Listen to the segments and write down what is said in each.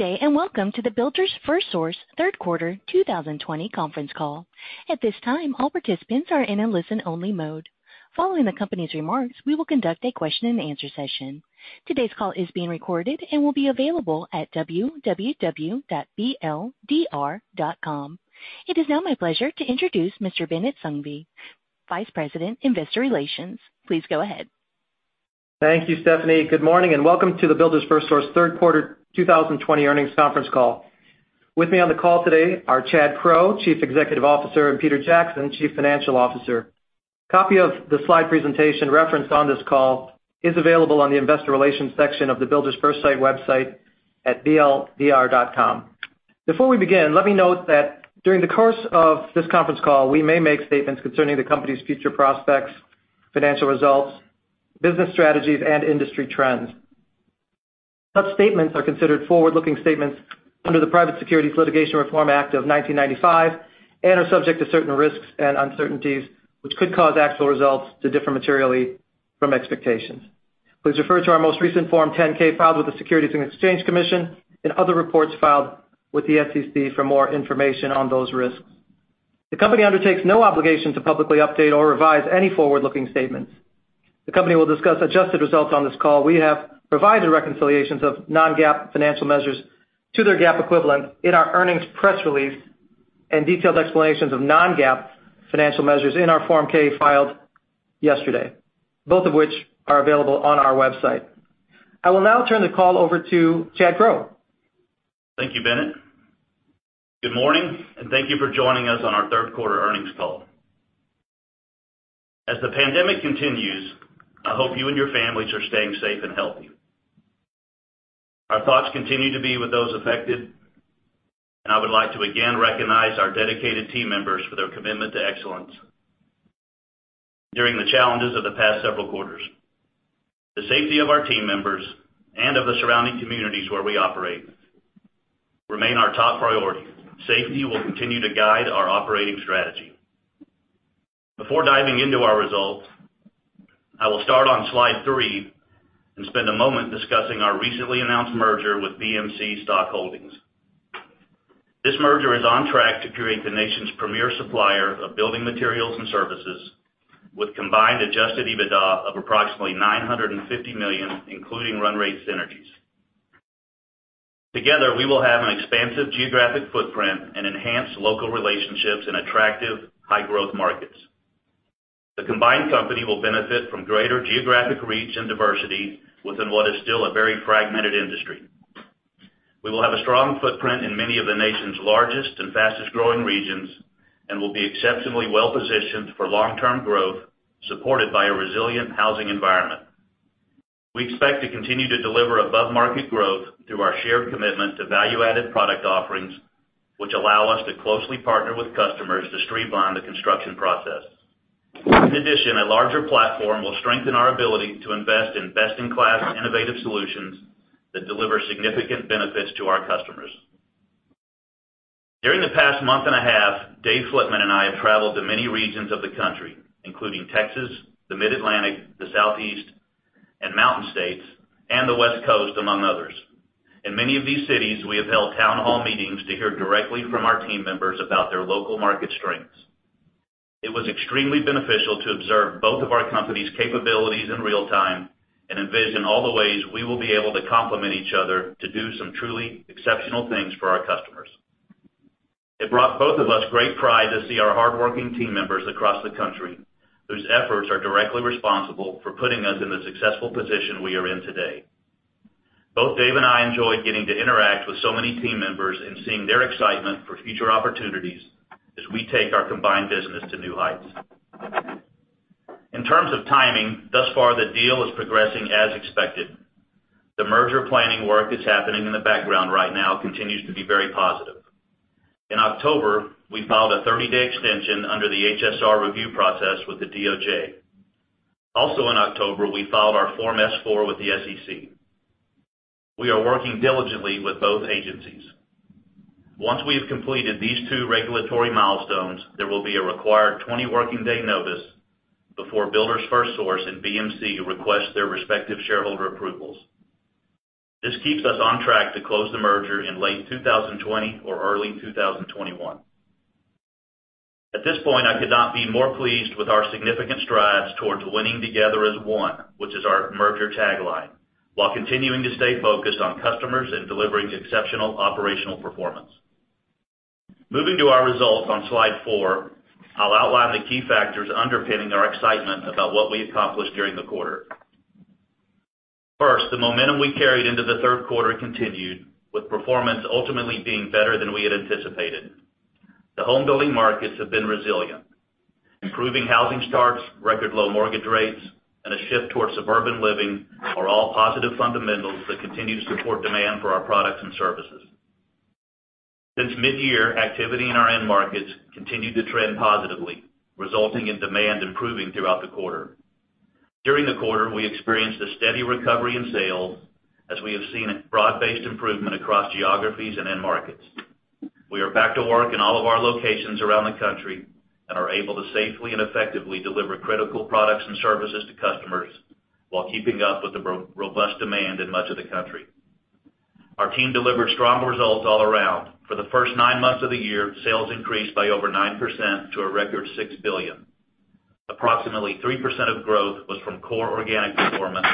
Good day, and welcome to the Builders FirstSource Third Quarter 2020 conference call. At this time, all participants are in a listen-only mode. Following the company's remarks, we will conduct a question and answer session. Today's call is being recorded and will be available at www.bldr.com. It is now my pleasure to introduce Mr. Binit Sanghvi, Vice President, Investor Relations. Please go ahead. Thank you, Stephanie. Good morning, and welcome to the Builders FirstSource Third Quarter 2020 earnings conference call. With me on the call today are Chad Crow, Chief Executive Officer, and Peter Jackson, Chief Financial Officer. A copy of the slide presentation referenced on this call is available on the investor relations section of the Builders FirstSource website at bldr.com. Before we begin, let me note that during the course of this conference call, we may make statements concerning the company's future prospects, financial results, business strategies, and industry trends. Such statements are considered forward-looking statements under the Private Securities Litigation Reform Act of 1995 and are subject to certain risks and uncertainties, which could cause actual results to differ materially from expectations. Please refer to our most recent Form 10-K filed with the Securities and Exchange Commission and other reports filed with the SEC for more information on those risks. The company undertakes no obligation to publicly update or revise any forward-looking statements. The company will discuss adjusted results on this call. We have provided reconciliations of non-GAAP financial measures to their GAAP equivalent in our earnings press release and detailed explanations of non-GAAP financial measures in our Form 8-K filed yesterday, both of which are available on our website. I will now turn the call over to Chad Crow. Thank you, Binit. Good morning, and thank you for joining us on our third quarter earnings call. As the pandemic continues, I hope you and your families are staying safe and healthy. Our thoughts continue to be with those affected, and I would like to again recognize our dedicated team members for their commitment to excellence during the challenges of the past several quarters. The safety of our team members and of the surrounding communities where we operate remain our top priority. Safety will continue to guide our operating strategy. Before diving into our results, I will start on slide three and spend a moment discussing our recently announced merger with BMC Stock Holdings. This merger is on track to create the nation's premier supplier of building materials and services, with combined adjusted EBITDA of approximately $950 million, including run rate synergies. Together, we will have an expansive geographic footprint and enhanced local relationships in attractive high-growth markets. The combined company will benefit from greater geographic reach and diversity within what is still a very fragmented industry. We will have a strong footprint in many of the nation's largest and fastest-growing regions and will be exceptionally well-positioned for long-term growth, supported by a resilient housing environment. We expect to continue to deliver above-market growth through our shared commitment to value-added product offerings, which allow us to closely partner with customers to streamline the construction process. In addition, a larger platform will strengthen our ability to invest in best-in-class innovative solutions that deliver significant benefits to our customers. During the past month and a half, Dave Flitman and I have traveled to many regions of the country, including Texas, the Mid-Atlantic, the Southeast, and Mountain States, and the West Coast, among others. In many of these cities, we have held town hall meetings to hear directly from our team members about their local market strengths. It was extremely beneficial to observe both of our company's capabilities in real time and envision all the ways we will be able to complement each other to do some truly exceptional things for our customers. It brought both of us great pride to see our hardworking team members across the country, whose efforts are directly responsible for putting us in the successful position we are in today. Both Dave and I enjoyed getting to interact with so many team members and seeing their excitement for future opportunities as we take our combined business to new heights. In terms of timing, thus far, the deal is progressing as expected. The merger planning work that is happening in the background right now continues to be very positive. In October, we filed a 30-day extension under the HSR review process with the DOJ. Also, in October, we filed our Form S-4 with the SEC. We are working diligently with both agencies. Once we have completed these two regulatory milestones, there will be a required 20-working day notice before Builders FirstSource and BMC request their respective shareholder approvals. This keeps us on track to close the merger in late 2020 or early 2021. At this point, I could not be more pleased with our significant strides towards winning together as one, which is our merger tagline, while continuing to stay focused on customers and delivering exceptional operational performance. Moving to our results on slide four, I'll outline the key factors underpinning our excitement about what we accomplished during the quarter. First, the momentum we carried into the third quarter continued, with performance ultimately being better than we had anticipated. The home building markets have been resilient. Improving housing starts, record low mortgage rates, and a shift towards suburban living are all positive fundamentals that continue to support demand for our products and services. Since mid-year, activity in our end markets continued to trend positively, resulting in demand improving throughout the quarter. During the quarter, we experienced a steady recovery in sales as we have seen a broad-based improvement across geographies and end markets. We are back to work in all of our locations around the country and are able to safely and effectively deliver critical products and services to customers while keeping up with the robust demand in much of the country. Our team delivered strong results all around. For the first nine months of the year, sales increased by over 9% to a record $6 billion. Approximately 3% of growth was from core organic performance,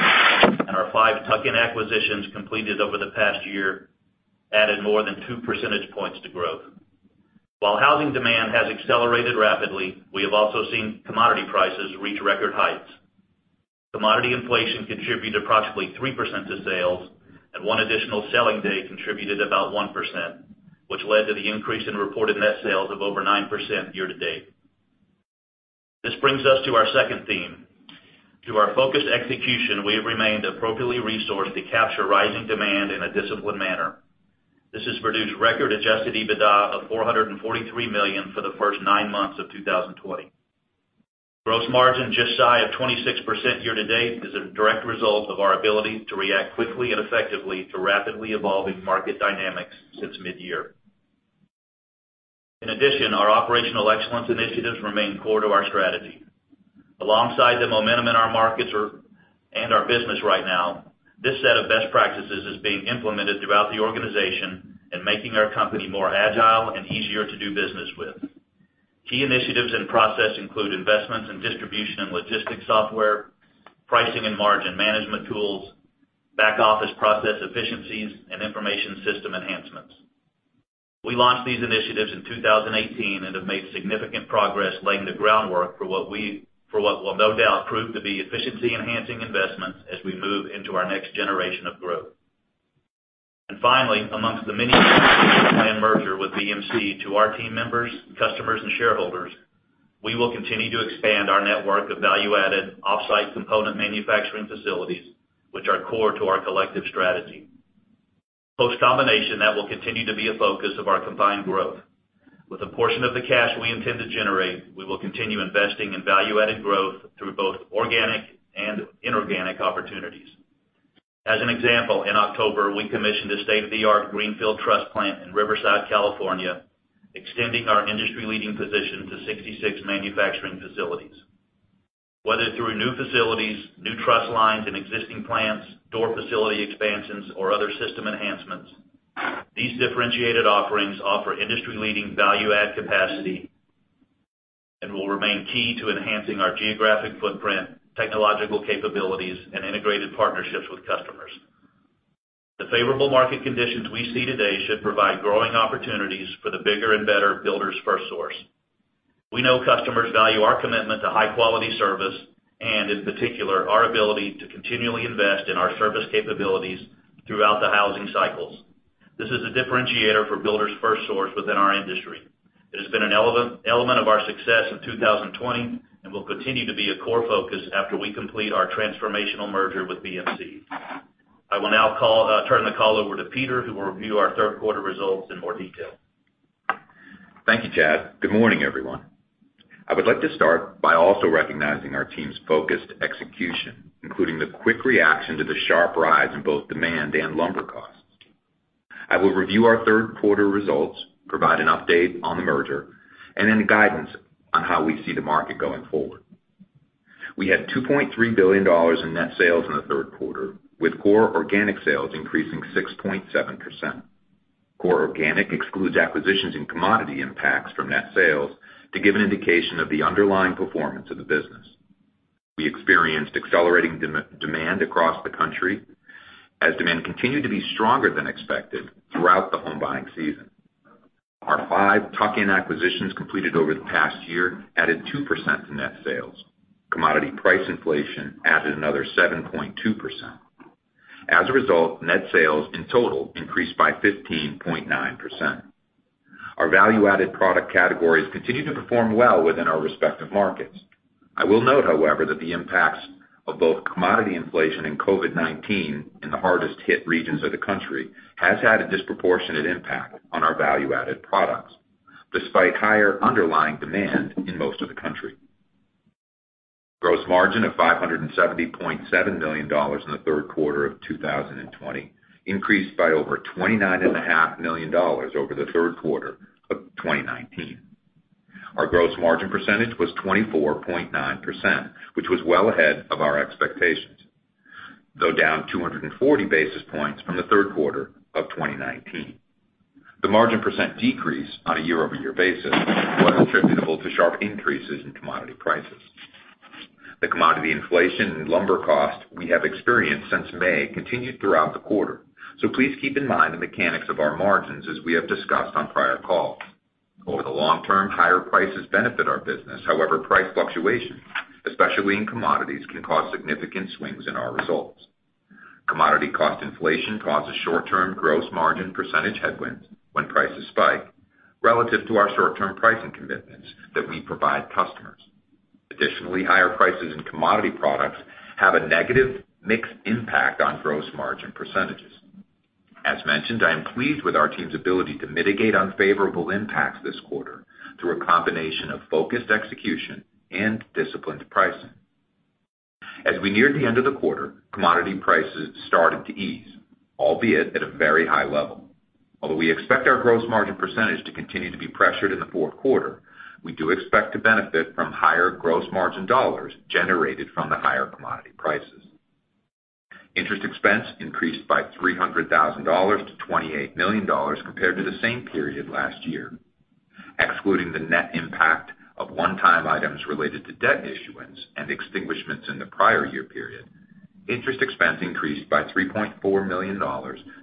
and our five tuck-in acquisitions completed over the past year added more than two percentage points to growth. While housing demand has accelerated rapidly, we have also seen commodity prices reach record heights. Commodity inflation contributed approximately 3% to sales, and one additional selling day contributed about 1%, which led to the increase in reported net sales of over 9% year-to-date. This brings us to our second theme. Through our focused execution, we have remained appropriately resourced to capture rising demand in a disciplined manner. This has produced record-adjusted EBITDA of $443 million for the first nine months of 2020. Gross margin just shy of 26% year-to-date is a direct result of our ability to react quickly and effectively to rapidly evolving market dynamics since mid-year. In addition, our operational excellence initiatives remain core to our strategy. Alongside the momentum in our markets and our business right now, this set of best practices is being implemented throughout the organization and making our company more agile and easier to do business with. Key initiatives in process include investments in distribution and logistics software, pricing and margin management tools, back office process efficiencies, and information system enhancements. We launched these initiatives in 2018 and have made significant progress laying the groundwork for what will no doubt prove to be efficiency-enhancing investments as we move into our next generation of growth. Finally, amongst the many merger with BMC to our team members, customers, and shareholders, we will continue to expand our network of value-added off-site component manufacturing facilities, which are core to our collective strategy. Post-combination, that will continue to be a focus of our combined growth. With a portion of the cash we intend to generate, we will continue investing in value-added growth through both organic and inorganic opportunities. As an example, in October, we commissioned a state-of-the-art greenfield truss plant in Riverside, California, extending our industry-leading position to 66 manufacturing facilities. Whether through new facilities, new truss lines in existing plants, door facility expansions, or other system enhancements, these differentiated offerings offer industry-leading value-add capacity and will remain key to enhancing our geographic footprint, technological capabilities, and integrated partnerships with customers. The favorable market conditions we see today should provide growing opportunities for the bigger and better Builders FirstSource. We know customers value our commitment to high-quality service and, in particular, our ability to continually invest in our service capabilities throughout the housing cycles. This is a differentiator for Builders FirstSource within our industry. It has been an element of our success in 2020 and will continue to be a core focus after we complete our transformational merger with BMC. I will now turn the call over to Peter, who will review our third quarter results in more detail. Thank you, Chad. Good morning, everyone. I would like to start by also recognizing our team's focused execution, including the quick reaction to the sharp rise in both demand and lumber costs. I will review our third quarter results, provide an update on the merger, and then guidance on how we see the market going forward. We had $2.3 billion in net sales in the third quarter, with core organic sales increasing 6.7%. Core organic excludes acquisitions and commodity impacts from net sales to give an indication of the underlying performance of the business. We experienced accelerating demand across the country as demand continued to be stronger than expected throughout the home buying season. Our five tuck-in acquisitions completed over the past year added 2% to net sales. Commodity price inflation added another 7.2%. As a result, net sales in total increased by 15.9%. Our value-added product categories continue to perform well within our respective markets. I will note, however, that the impacts of both commodity inflation and COVID-19 in the hardest-hit regions of the country has had a disproportionate impact on our value-added products, despite higher underlying demand in most of the country. Gross margin of $570.7 million in the third quarter of 2020 increased by over $29.5 million over the third quarter of 2019. Our gross margin percentage was 24.9%, which was well ahead of our expectations, though down 240 basis points from the third quarter of 2019. The margin percent decrease on a year-over-year basis was attributable to sharp increases in commodity prices. The commodity inflation and lumber cost we have experienced since May continued throughout the quarter. Please keep in mind the mechanics of our margins, as we have discussed on prior calls. Over the long term, higher prices benefit our business. However, price fluctuations, especially in commodities, can cause significant swings in our results. Commodity cost inflation causes short-term gross margin percentage headwinds when prices spike relative to our short-term pricing commitments that we provide customers. Additionally, higher prices in commodity products have a negative mixed impact on gross margin percentages. As mentioned, I am pleased with our team's ability to mitigate unfavorable impacts this quarter through a combination of focused execution and disciplined pricing. As we neared the end of the quarter, commodity prices started to ease, albeit at a very high level. Although we expect our gross margin percentage to continue to be pressured in the fourth quarter, we do expect to benefit from higher gross margin dollars generated from the higher commodity prices. Interest expense increased by $300,000 to $28 million compared to the same period last year. Excluding the net impact of one-time items related to debt issuance and extinguishments in the prior year period, interest expense increased by $3.4 million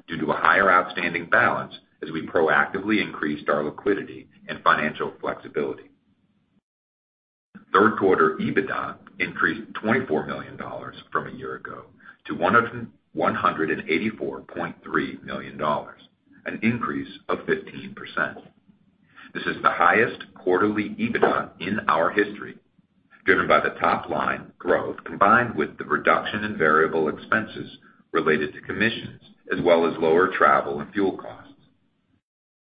due to a higher outstanding balance as we proactively increased our liquidity and financial flexibility. Third quarter EBITDA increased $24 million from a year ago to $184.3 million, an increase of 15%. This is the highest quarterly EBITDA in our history, driven by the top-line growth, combined with the reduction in variable expenses related to commissions, as well as lower travel and fuel costs.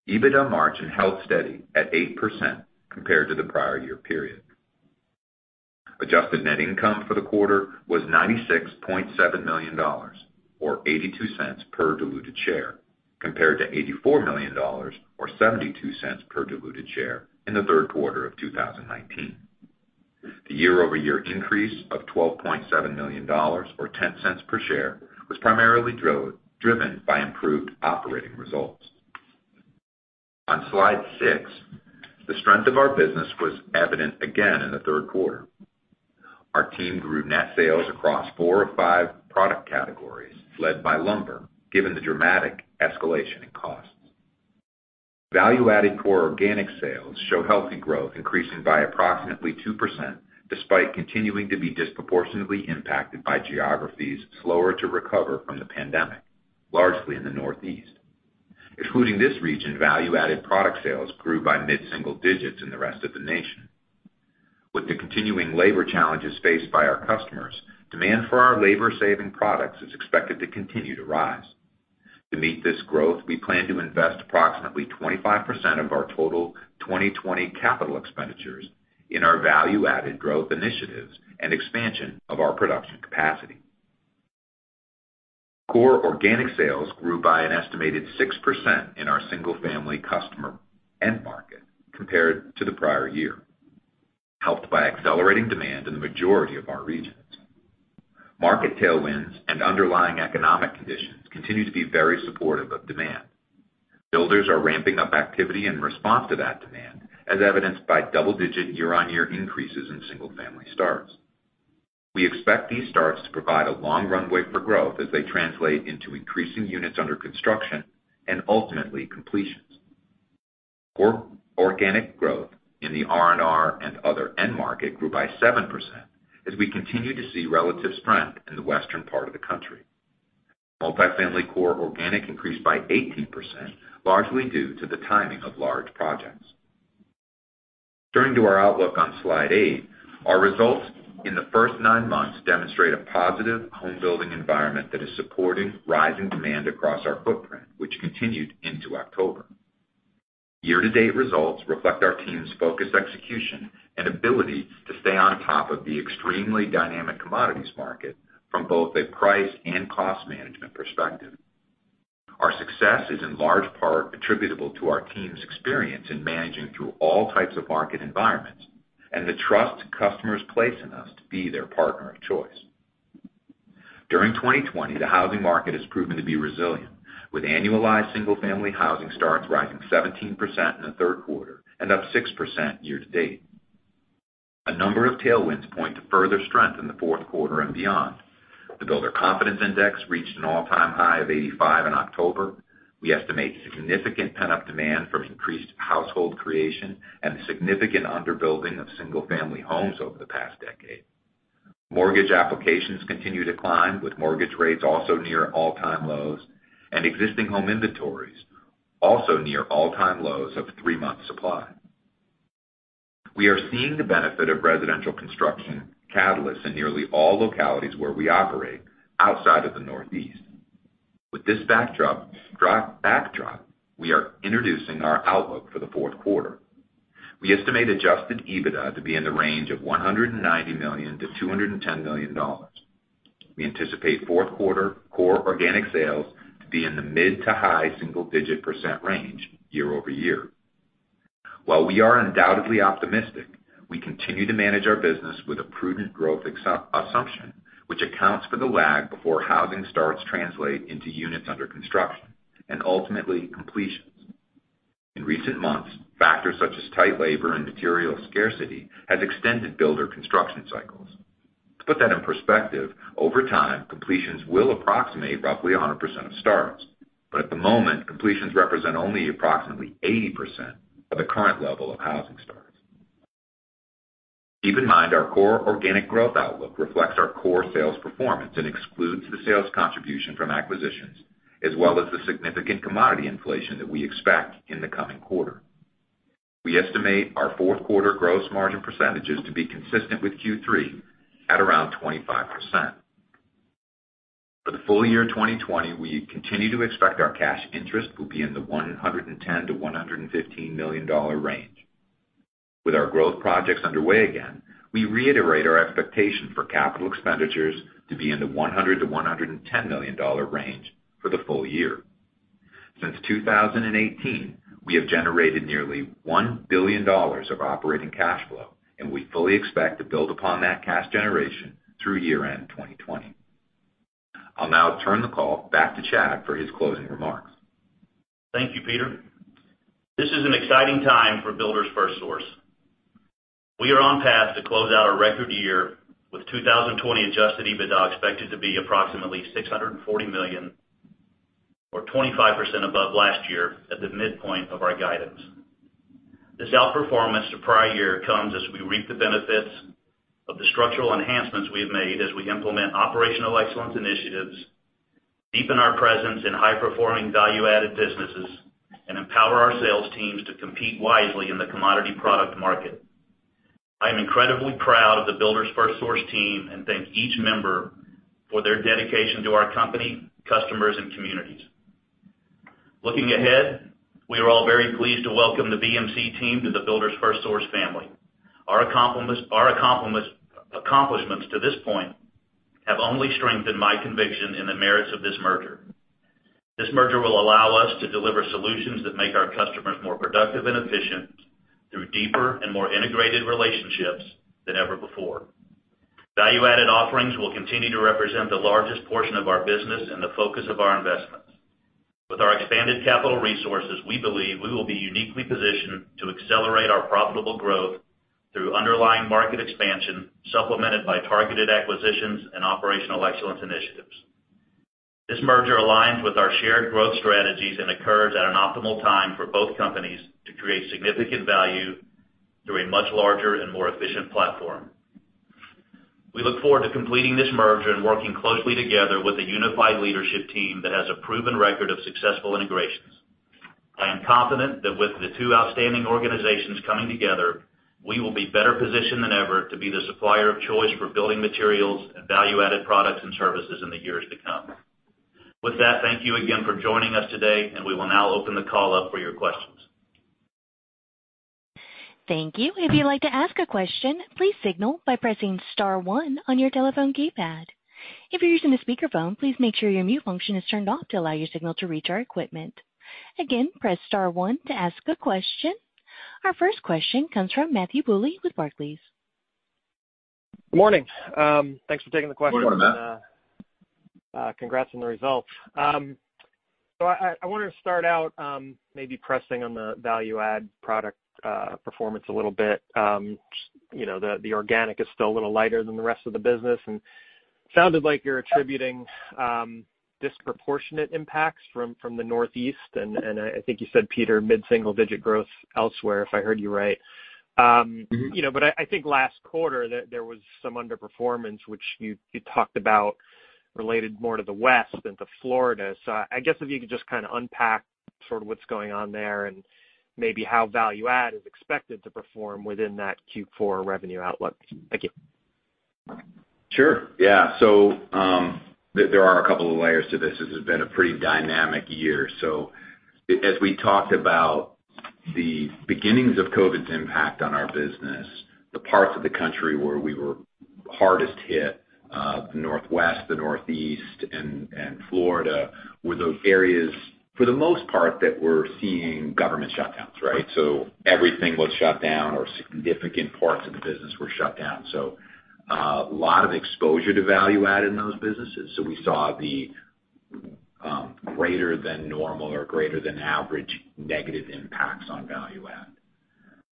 EBITDA margin held steady at 8% compared to the prior year period. Adjusted net income for the quarter was $96.7 million, or $0.82 per diluted share, compared to $84 million or $0.72 per diluted share in the third quarter of 2019. The year-over-year increase of $12.7 million or $0.10 per share was primarily driven by improved operating results. On slide six, the strength of our business was evident again in the third quarter. Our team grew net sales across four of five product categories, led by lumber, given the dramatic escalation in costs. Value-added core organic sales show healthy growth, increasing by approximately 2%, despite continuing to be disproportionately impacted by geographies slower to recover from the pandemic, largely in the Northeast. Excluding this region, value-added product sales grew by mid-single digits in the rest of the nation. With the continuing labor challenges faced by our customers, demand for our labor-saving products is expected to continue to rise. To meet this growth, we plan to invest approximately 25% of our total 2020 capital expenditures in our value-added growth initiatives and expansion of our production capacity. Core organic sales grew by an estimated 6% in our single-family customer end market compared to the prior year, helped by accelerating demand in the majority of our regions. Market tailwinds and underlying economic conditions continue to be very supportive of demand. Builders are ramping up activity in response to that demand, as evidenced by double-digit year-on-year increases in single-family starts. We expect these starts to provide a long runway for growth as they translate into increasing units under construction and ultimately completions. Core organic growth in the R&R and other end market grew by 7% as we continue to see relative strength in the western part of the country. Multifamily core organic increased by 18%, largely due to the timing of large projects. Turning to our outlook on slide eight, our results in the first nine months demonstrate a positive home building environment that is supporting rising demand across our footprint, which continued into October. Year-to-date results reflect our team's focus, execution, and ability to stay on top of the extremely dynamic commodities market from both a price and cost management perspective. Our success is in large part attributable to our team's experience in managing through all types of market environments and the trust customers place in us to be their partner of choice. During 2020, the housing market has proven to be resilient, with annualized single-family housing starts rising 17% in the third quarter and up 6% year-to-date. A number of tailwinds point to further strength in the fourth quarter and beyond. The Builder Confidence Index reached an all-time high of 85 in October. We estimate significant pent-up demand from increased household creation and significant under-building of single-family homes over the past decade. Mortgage applications continue to climb, with mortgage rates also near all-time lows, and existing home inventories also near all-time lows of three months' supply. We are seeing the benefit of residential construction catalysts in nearly all localities where we operate outside of the Northeast. With this backdrop, we are introducing our outlook for the fourth quarter. We estimate adjusted EBITDA to be in the range of $190 million-$210 million. We anticipate fourth quarter core organic sales to be in the mid to high single-digit percentage range year-over-year. While we are undoubtedly optimistic, we continue to manage our business with a prudent growth assumption, which accounts for the lag before housing starts translate into units under construction and ultimately completions. In recent months, factors such as tight labor and material scarcity has extended builder construction cycles. To put that in perspective, over time, completions will approximate roughly 100% of starts. At the moment, completions represent only approximately 80% of the current level of housing starts. Keep in mind our core organic growth outlook reflects our core sales performance and excludes the sales contribution from acquisitions, as well as the significant commodity inflation that we expect in the coming quarter. We estimate our fourth quarter gross margin percentages to be consistent with Q3 at around 25%. For the full year 2020, we continue to expect our cash interest will be in the $110 million-$115 million range. With our growth projects underway again, we reiterate our expectation for capital expenditures to be in the $100 million-$110 million range for the full year. Since 2018, we have generated nearly $1 billion of operating cash flow, and we fully expect to build upon that cash generation through year-end 2020. I'll now turn the call back to Chad for his closing remarks. Thank you, Peter. This is an exciting time for Builders FirstSource. We are on path to close out a record year with 2020 adjusted EBITDA expected to be approximately $640 million, or 25% above last year at the midpoint of our guidance. This outperformance of prior year comes as we reap the benefits of the structural enhancements we have made as we implement operational excellence initiatives, deepen our presence in high-performing value-added businesses, and empower our sales teams to compete wisely in the commodity product market. I am incredibly proud of the Builders FirstSource team and thank each member for their dedication to our company, customers, and communities. Looking ahead, we are all very pleased to welcome the BMC team to the Builders FirstSource family. Our accomplishments to this point have only strengthened my conviction in the merits of this merger. This merger will allow us to deliver solutions that make our customers more productive and efficient through deeper and more integrated relationships than ever before. Value-added offerings will continue to represent the largest portion of our business and the focus of our investments. With our expanded capital resources, we believe we will be uniquely positioned to accelerate our profitable growth through underlying market expansion, supplemented by targeted acquisitions and operational excellence initiatives. This merger aligns with our shared growth strategies and occurs at an optimal time for both companies to create significant value through a much larger and more efficient platform. We look forward to completing this merger and working closely together with a unified leadership team that has a proven record of successful integrations. I am confident that with the two outstanding organizations coming together, we will be better positioned than ever to be the supplier of choice for building materials and value-added products and services in the years to come. With that, thank you again for joining us today, and we will now open the call up for your questions. Thank you. If you'd like to ask a question, please signal by pressing star one on your telephone keypad. If you're using a speakerphone, please make sure your mute function is turned off to allow your signal to reach our equipment. Again, press star one to ask a question. Our first question comes from Matthew Bouley with Barclays. Morning. Thanks for taking the question. Morning, Matt. Congrats on the results. I wanted to start out maybe pressing on the value-add product performance a little bit. The organic is still a little lighter than the rest of the business, and sounded like you're attributing disproportionate impacts from the Northeast, and I think you said, Peter, mid-single digit growth elsewhere, if I heard you right. I think last quarter there was some underperformance, which you talked about related more to the West than to Florida. I guess if you could just kind of unpack sort of what's going on there and maybe how value add is expected to perform within that Q4 revenue outlook. Thank you. Sure. Yeah. There are a couple of layers to this. This has been a pretty dynamic year. As we talked about the beginnings of COVID's impact on our business, the parts of the country where we were hardest hit, the Northwest, the Northeast, and Florida, were those areas, for the most part, that were seeing government shutdowns. Everything was shut down or significant parts of the business were shut down. A lot of exposure to value add in those businesses. We saw the greater than normal or greater than average negative impacts on value add.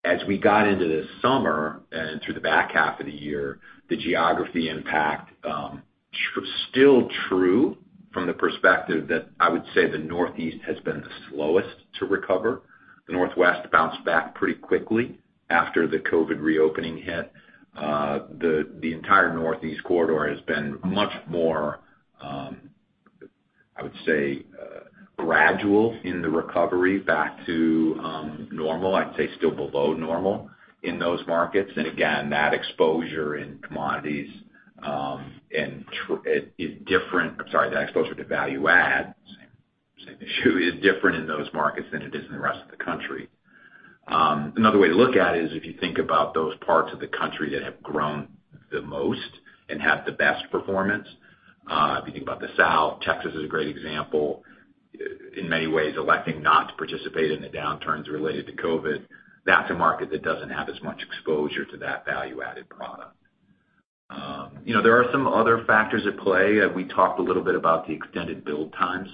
As we got into the summer and through the back half of the year, the geography impact still true from the perspective that I would say the Northeast has been the slowest to recover. The Northwest bounced back pretty quickly after the COVID reopening hit. The entire Northeast corridor has been much more, I would say, gradual in the recovery back to normal. I'd say still below normal in those markets. Again, the exposure to value add, same issue, is different in those markets than it is in the rest of the country. Another way to look at it is if you think about those parts of the country that have grown the most and have the best performance. If you think about the South, Texas is a great example. In many ways, electing not to participate in the downturns related to COVID, that's a market that doesn't have as much exposure to that value-added product. There are some other factors at play. We talked a little bit about the extended build times.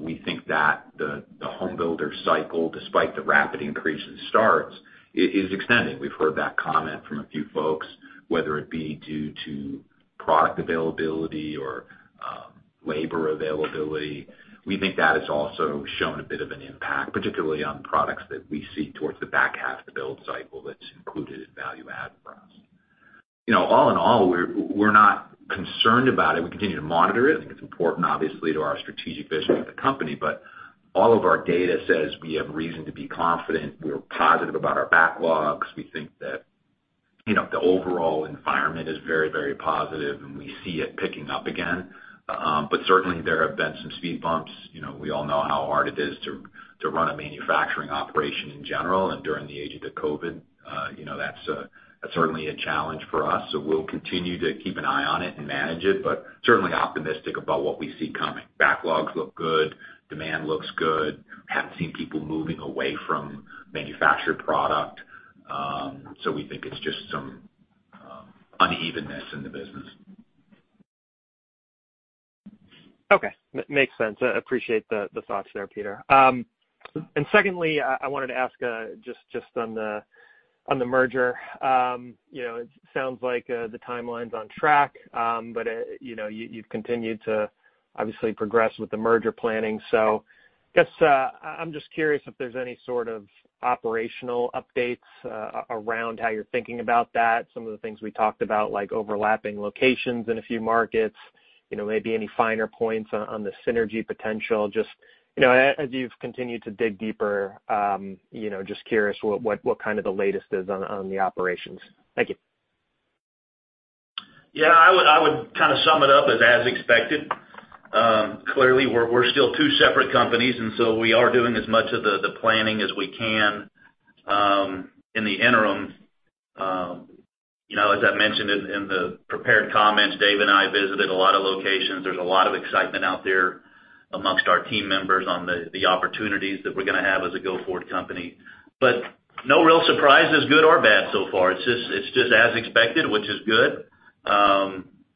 We think that the home builder cycle, despite the rapid increase in starts, is extending. We've heard that comment from a few folks, whether it be due to product availability or labor availability. We think that has also shown a bit of an impact, particularly on products that we see towards the back half of the build cycle that's included in value add for us. All in all, we're not concerned about it. We continue to monitor it. I think it's important, obviously, to our strategic vision of the company, but all of our data says we have reason to be confident. We're positive about our backlogs. We think the overall environment is very, very positive, and we see it picking up again. Certainly, there have been some speed bumps. We all know how hard it is to run a manufacturing operation in general and during the age of the COVID, that's certainly a challenge for us, so we'll continue to keep an eye on it and manage it, but certainly optimistic about what we see coming. Backlogs look good. Demand looks good. Haven't seen people moving away from manufactured product. We think it's just some unevenness in the business. Okay. Makes sense. I appreciate the thoughts there, Peter. Secondly, I wanted to ask just on the merger. It sounds like the timeline's on track, you've continued to obviously progress with the merger planning. I guess, I'm just curious if there's any sort of operational updates around how you're thinking about that. Some of the things we talked about, like overlapping locations in a few markets, maybe any finer points on the synergy potential. Just as you've continued to dig deeper, just curious what the latest is on the operations. Thank you. Yeah, I would sum it up as expected. Clearly, we're still two separate companies, and so we are doing as much of the planning as we can in the interim. As I mentioned in the prepared comments, Dave and I visited a lot of locations. There's a lot of excitement out there amongst our team members on the opportunities that we're going to have as a go-forward company. No real surprises, good or bad so far. It's just as expected, which is good.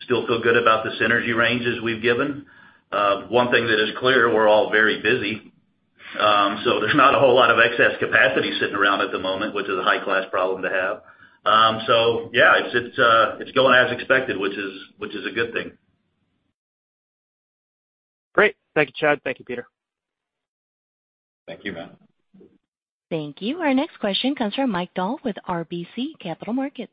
Still feel good about the synergy ranges we've given. One thing that is clear, we're all very busy. There's not a whole lot of excess capacity sitting around at the moment, which is a high-class problem to have. Yeah, it's going as expected, which is a good thing. Great. Thank you, Chad. Thank you, Peter. Thank you, Matt. Thank you. Our next question comes from Mike Dahl with RBC Capital Markets.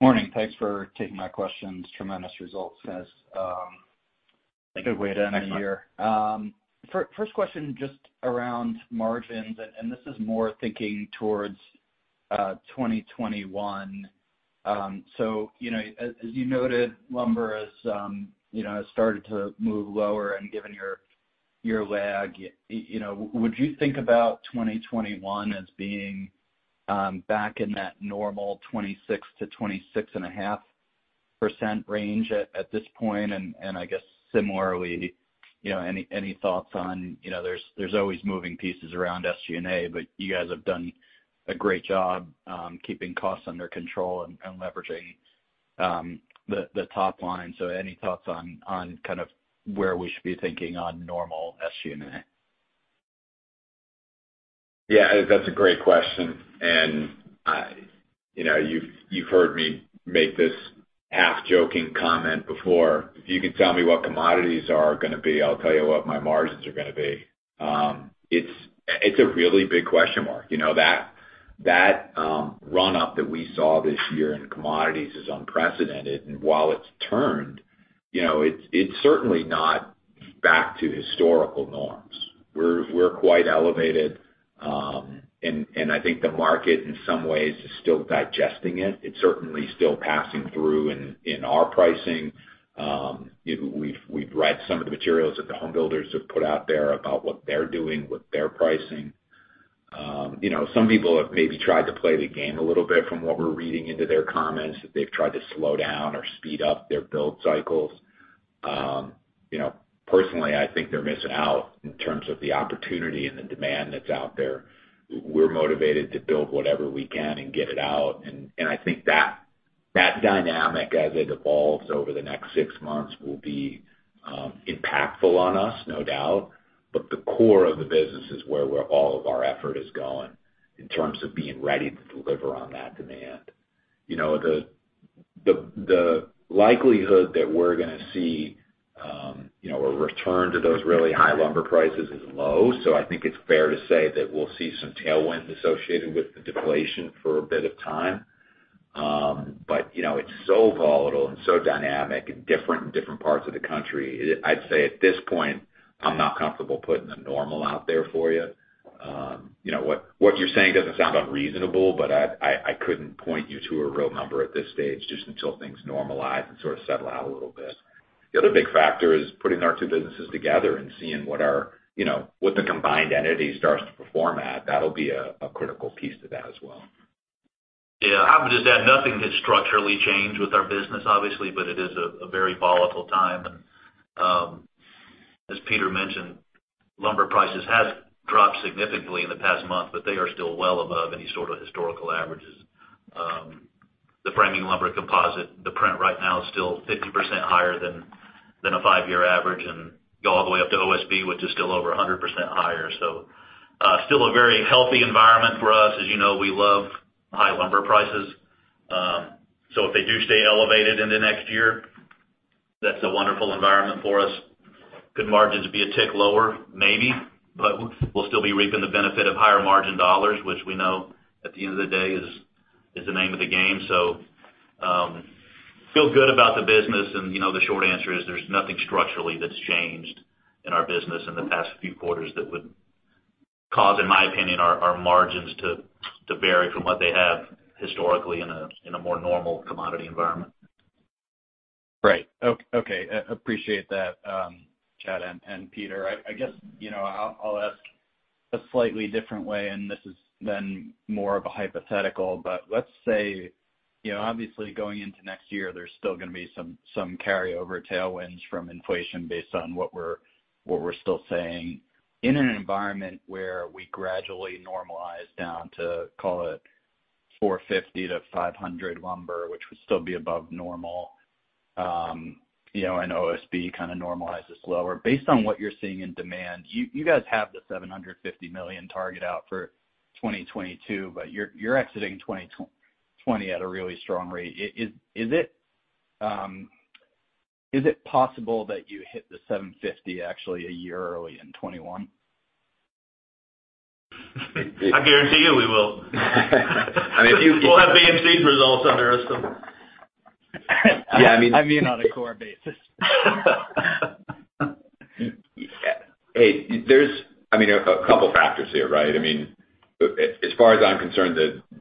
Morning. Thanks for taking my questions. Tremendous results. Thank you. A good way to end the year. First question just around margins, and this is more thinking towards 2021. As you noted, lumber has started to move lower and given your lag, would you think about 2021 as being back in that normal 26%-26.5% range at this point? I guess similarly, any thoughts on there's always moving pieces around SG&A, but you guys have done a great job keeping costs under control and leveraging the top line. Any thoughts on kind of where we should be thinking on normal SG&A? Yeah, that's a great question. You've heard me make this half-joking comment before. If you could tell me what commodities are going to be, I'll tell you what my margins are going to be. It's a really big question mark. That run-up that we saw this year in commodities is unprecedented, and while it's turned, it's certainly not back to historical norms. We're quite elevated, and I think the market, in some ways, is still digesting it. It's certainly still passing through in our pricing. We've read some of the materials that the home builders have put out there about what they're doing with their pricing. Some people have maybe tried to play the game a little bit from what we're reading into their comments, that they've tried to slow down or speed up their build cycles. Personally, I think they're missing out in terms of the opportunity and the demand that's out there. We're motivated to build whatever we can and get it out, and I think that dynamic, as it evolves over the next six months, will be impactful on us, no doubt. The core of the business is where all of our effort is going in terms of being ready to deliver on that demand. The likelihood that we're going to see a return to those really high lumber prices is low. I think it's fair to say that we'll see some tailwinds associated with the deflation for a bit of time. It's so volatile and so dynamic and different in different parts of the country. I'd say at this point, I'm not comfortable putting a normal out there for you. What you're saying doesn't sound unreasonable, but I couldn't point you to a real number at this stage just until things normalize and sort of settle out a little bit. The other big factor is putting our two businesses together and seeing what the combined entity starts to perform at. That'll be a critical piece to that as well. Yeah. I would just add, nothing has structurally changed with our business, obviously, but it is a very volatile time. As Peter mentioned, lumber prices have dropped significantly in the past month, but they are still well above any sort of historical averages. The framing lumber composite, the print right now is still 50% higher than a five-year average and go all the way up to OSB, which is still over 100% higher. Still a very healthy environment for us. As you know, we love high lumber prices. If they do stay elevated into next year, that's a wonderful environment for us. Could margins be a tick lower? Maybe, but we'll still be reaping the benefit of higher margin dollars, which we know at the end of the day is the name of the game. Feel good about the business. The short answer is there's nothing structurally that's changed in our business in the past few quarters that would cause, in my opinion, our margins to vary from what they have historically in a more normal commodity environment. Right. Okay. Appreciate that, Chad and Peter. I guess I'll ask a slightly different way, and this is then more of a hypothetical, but let's say, obviously going into next year, there's still going to be some carryover tailwinds from inflation based on what we're still saying. In an environment where we gradually normalize down to call it 450 to 500 lumber, which would still be above normal, and OSB kind of normalizes slower. Based on what you're seeing in demand, you guys have the $750 million target out for 2022, but you're exiting 2020 at a really strong rate. Is it possible that you hit the $750 million actually a year early in 2021? I guarantee you we will. We'll have BMC's results under our belt. Yeah. I mean, on a core basis. Hey, there's a couple factors here, right? I mean, as far as I'm concerned,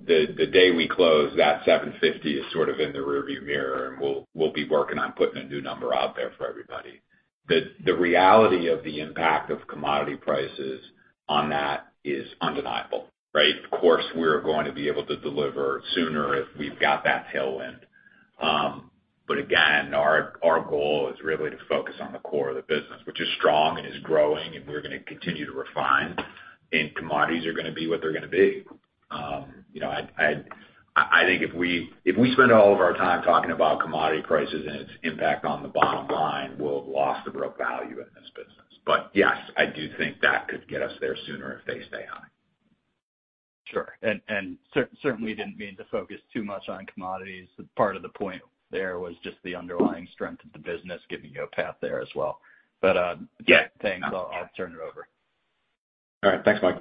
the day we close, that $750 million is sort of in the rearview mirror, and we'll be working on putting a new number out there for everybody. The reality of the impact of commodity prices on that is undeniable, right? Of course, we're going to be able to deliver sooner if we've got that tailwind. Again, our goal is really to focus on the core of the business, which is strong and is growing, and we're going to continue to refine, and commodities are going to be what they're going to be. I think if we spend all of our time talking about commodity prices and its impact on the bottom line, we'll have lost the real value in this business. Yes, I do think that could get us there sooner if they stay high. Sure. Certainly didn't mean to focus too much on commodities. Part of the point there was just the underlying strength of the business giving you a path there as well. Thanks. I'll turn it over. All right. Thanks, Mike.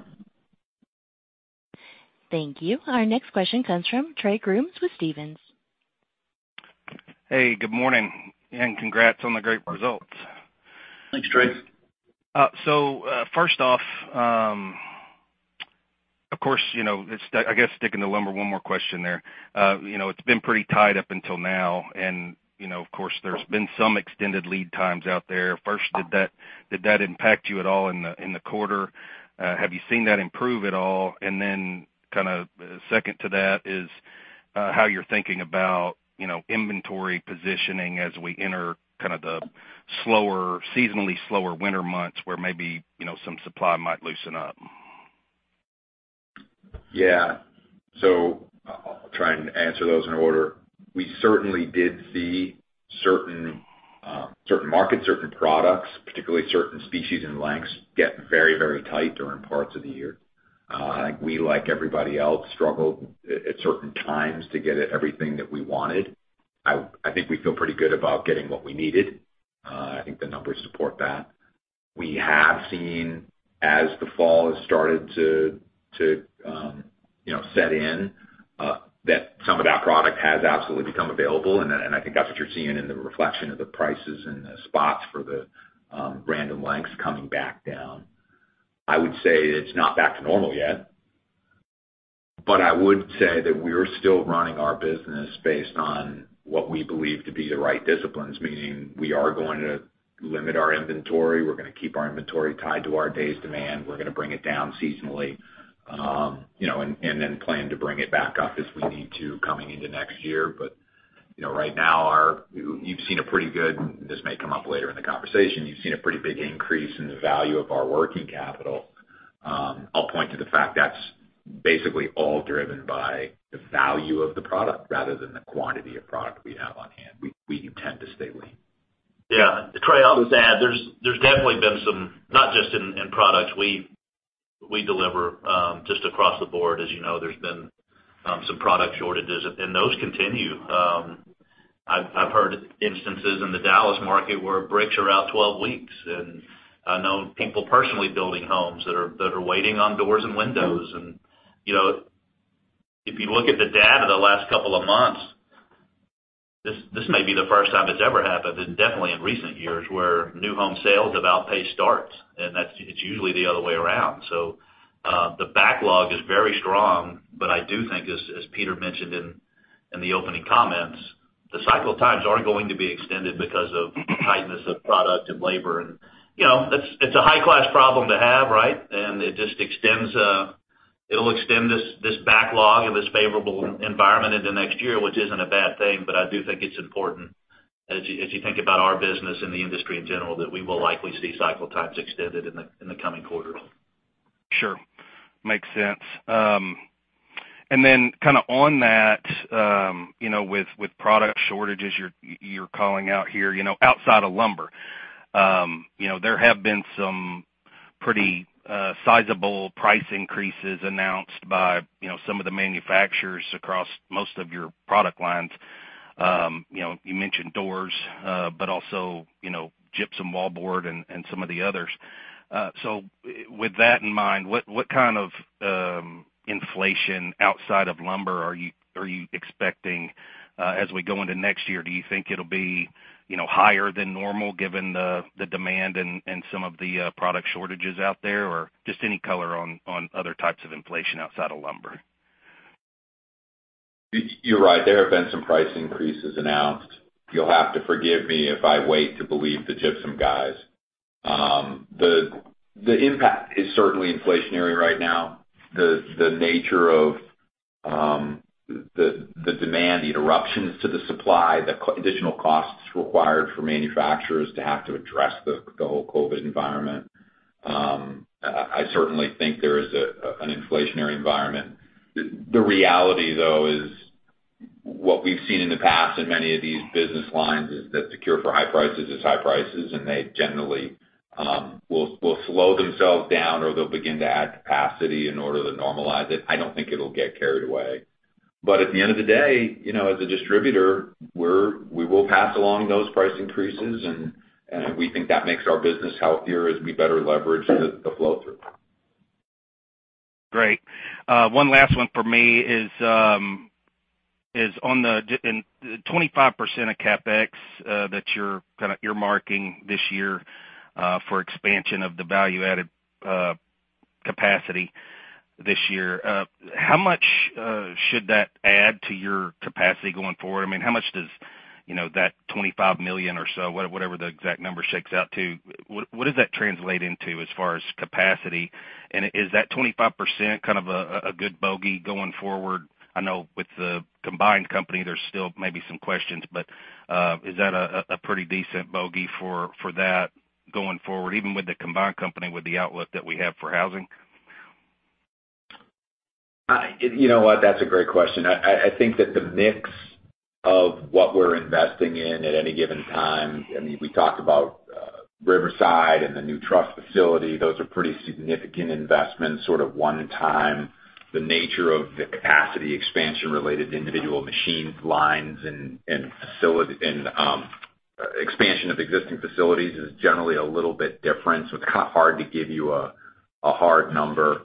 Thank you. Our next question comes from Trey Grooms with Stephens. Hey, good morning, and congrats on the great results. Thanks, Trey. First off, of course, I guess sticking to lumber, one more question there. It's been pretty tied up until now, and of course, there's been some extended lead times out there. First, did that impact you at all in the quarter? Have you seen that improve at all? Kind of second to that is how you're thinking about inventory positioning as we enter kind of the seasonally slower winter months where maybe some supply might loosen up. I'll try and answer those in order. We certainly did see certain markets, certain products, particularly certain species and lengths, get very tight during parts of the year. I think we, like everybody else, struggled at certain times to get everything that we wanted. I think we feel pretty good about getting what we needed. I think the numbers support that. We have seen as the fall has started to set in, that some of that product has absolutely become available, and I think that's what you're seeing in the reflection of the prices and the spots for the random lengths coming back down. I would say it's not back to normal yet. I would say that we are still running our business based on what we believe to be the right disciplines, meaning we are going to limit our inventory. We're going to keep our inventory tied to our day's demand. We're going to bring it down seasonally, plan to bring it back up as we need to coming into next year. Right now, this may come up later in the conversation. You've seen a pretty big increase in the value of our working capital. I'll point to the fact that's basically all driven by the value of the product rather than the quantity of product we have on hand. We intend to stay lean. Trey, I'll just add, there's definitely been some, not just in products we deliver, just across the board, as you know, there's been some product shortages, and those continue. I've heard instances in the Dallas market where bricks are out 12 weeks, and I know people personally building homes that are waiting on doors and windows. If you look at the data the last couple of months, this may be the first time it's ever happened, and definitely in recent years, where new home sales have outpaced starts, and it's usually the other way around. The backlog is very strong. I do think, as Peter mentioned in the opening comments, the cycle times are going to be extended because of tightness of product and labor, and it's a high-class problem to have, right? It'll extend this backlog of this favorable environment into next year, which isn't a bad thing. I do think it's important as you think about our business and the industry in general, that we will likely see cycle times extended in the coming quarters. Sure. Makes sense. Kind of on that, with product shortages you're calling out here, outside of lumber there have been some pretty sizable price increases announced by some of the manufacturers across most of your product lines. You mentioned doors but also gypsum wallboard and some of the others. With that in mind, what kind of inflation outside of lumber are you expecting as we go into next year? Do you think it'll be higher than normal given the demand and some of the product shortages out there? Just any color on other types of inflation outside of lumber. You're right. There have been some price increases announced. You'll have to forgive me if I wait to believe the gypsum guys. The impact is certainly inflationary right now. The nature of the demand, the interruptions to the supply, the additional costs required for manufacturers to have to address the whole COVID environment. I certainly think there is an inflationary environment. The reality, though, is what we've seen in the past in many of these business lines is that the cure for high prices is high prices, and they generally will slow themselves down, or they'll begin to add capacity in order to normalize it. I don't think it'll get carried away. At the end of the day, as a distributor, we will pass along those price increases, and we think that makes our business healthier as we better leverage the flow-through. Great. One last one from me is on the 25% of CapEx that you're marking this year for expansion of the value-added capacity this year, how much should that add to your capacity going forward? How much does that $25 million or so, whatever the exact number shakes out to, what does that translate into as far as capacity? Is that 25% kind of a good bogey going forward? I know with the combined company, there's still maybe some questions, but is that a pretty decent bogey for that going forward, even with the combined company, with the outlook that we have for housing? You know what, that's a great question. I think that the mix of what we're investing in at any given time, we talked about Riverside and the new truss facility. Those are pretty significant investments, sort of one time. The nature of the capacity expansion related to individual machine lines and expansion of existing facilities is generally a little bit different. It's kind of hard to give you a hard number.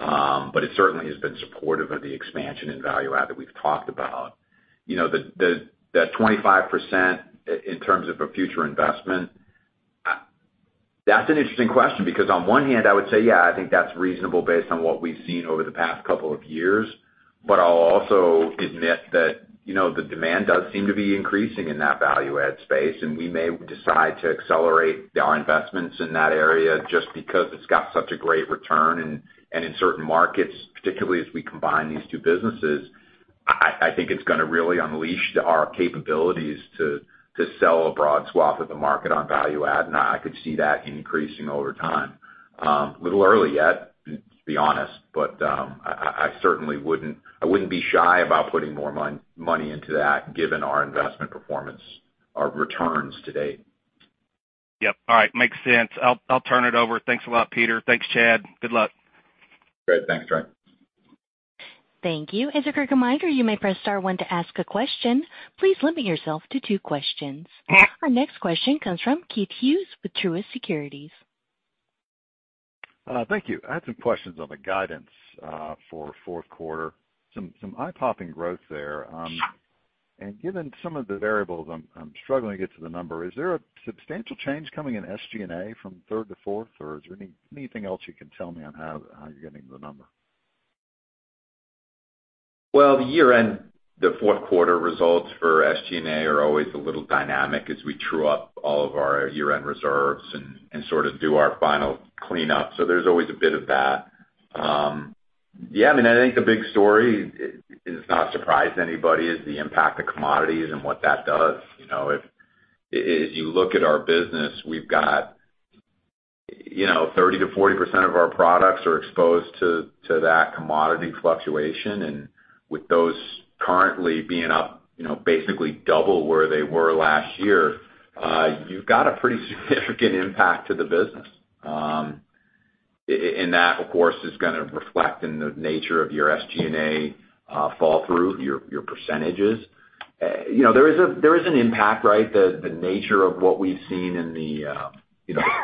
It certainly has been supportive of the expansion in value add that we've talked about. The 25% in terms of a future investment, that's an interesting question, because on one hand, I would say yeah, I think that's reasonable based on what we've seen over the past couple of years. I'll also admit that the demand does seem to be increasing in that value add space, and we may decide to accelerate our investments in that area just because it's got such a great return. In certain markets, particularly as we combine these two businesses, I think it's going to really unleash our capabilities to sell a broad swath of the market on value add, and I could see that increasing over time. A little early yet, to be honest. I wouldn't be shy about putting more money into that given our investment performance, our returns to date. Yep. All right. Makes sense. I'll turn it over. Thanks a lot, Peter. Thanks, Chad. Good luck. Great. Thanks. Ryan. Thank you. As a quick reminder, you may press star one to ask a question. Please limit yourself to two questions. Our next question comes from Keith Hughes with Truist Securities. Thank you. I had some questions on the guidance for fourth quarter. Some eye-popping growth there. Given some of the variables, I'm struggling to get to the number. Is there a substantial change coming in SG&A from third to fourth, or is there anything else you can tell me on how you're getting to the number? The year-end, the fourth quarter results for SG&A are always a little dynamic as we true up all of our year-end reserves and sort of do our final cleanup. There's always a bit of that. I think the big story is not surprising to anybody, is the impact of commodities and what that does. If you look at our business, we've got 30%-40% of our products are exposed to that commodity fluctuation, and with those currently being up basically double where they were last year, you've got a pretty significant impact to the business. That, of course, is going to reflect in the nature of your SG&A fall through, your percentages. There is an impact, right? The nature of what we've seen in the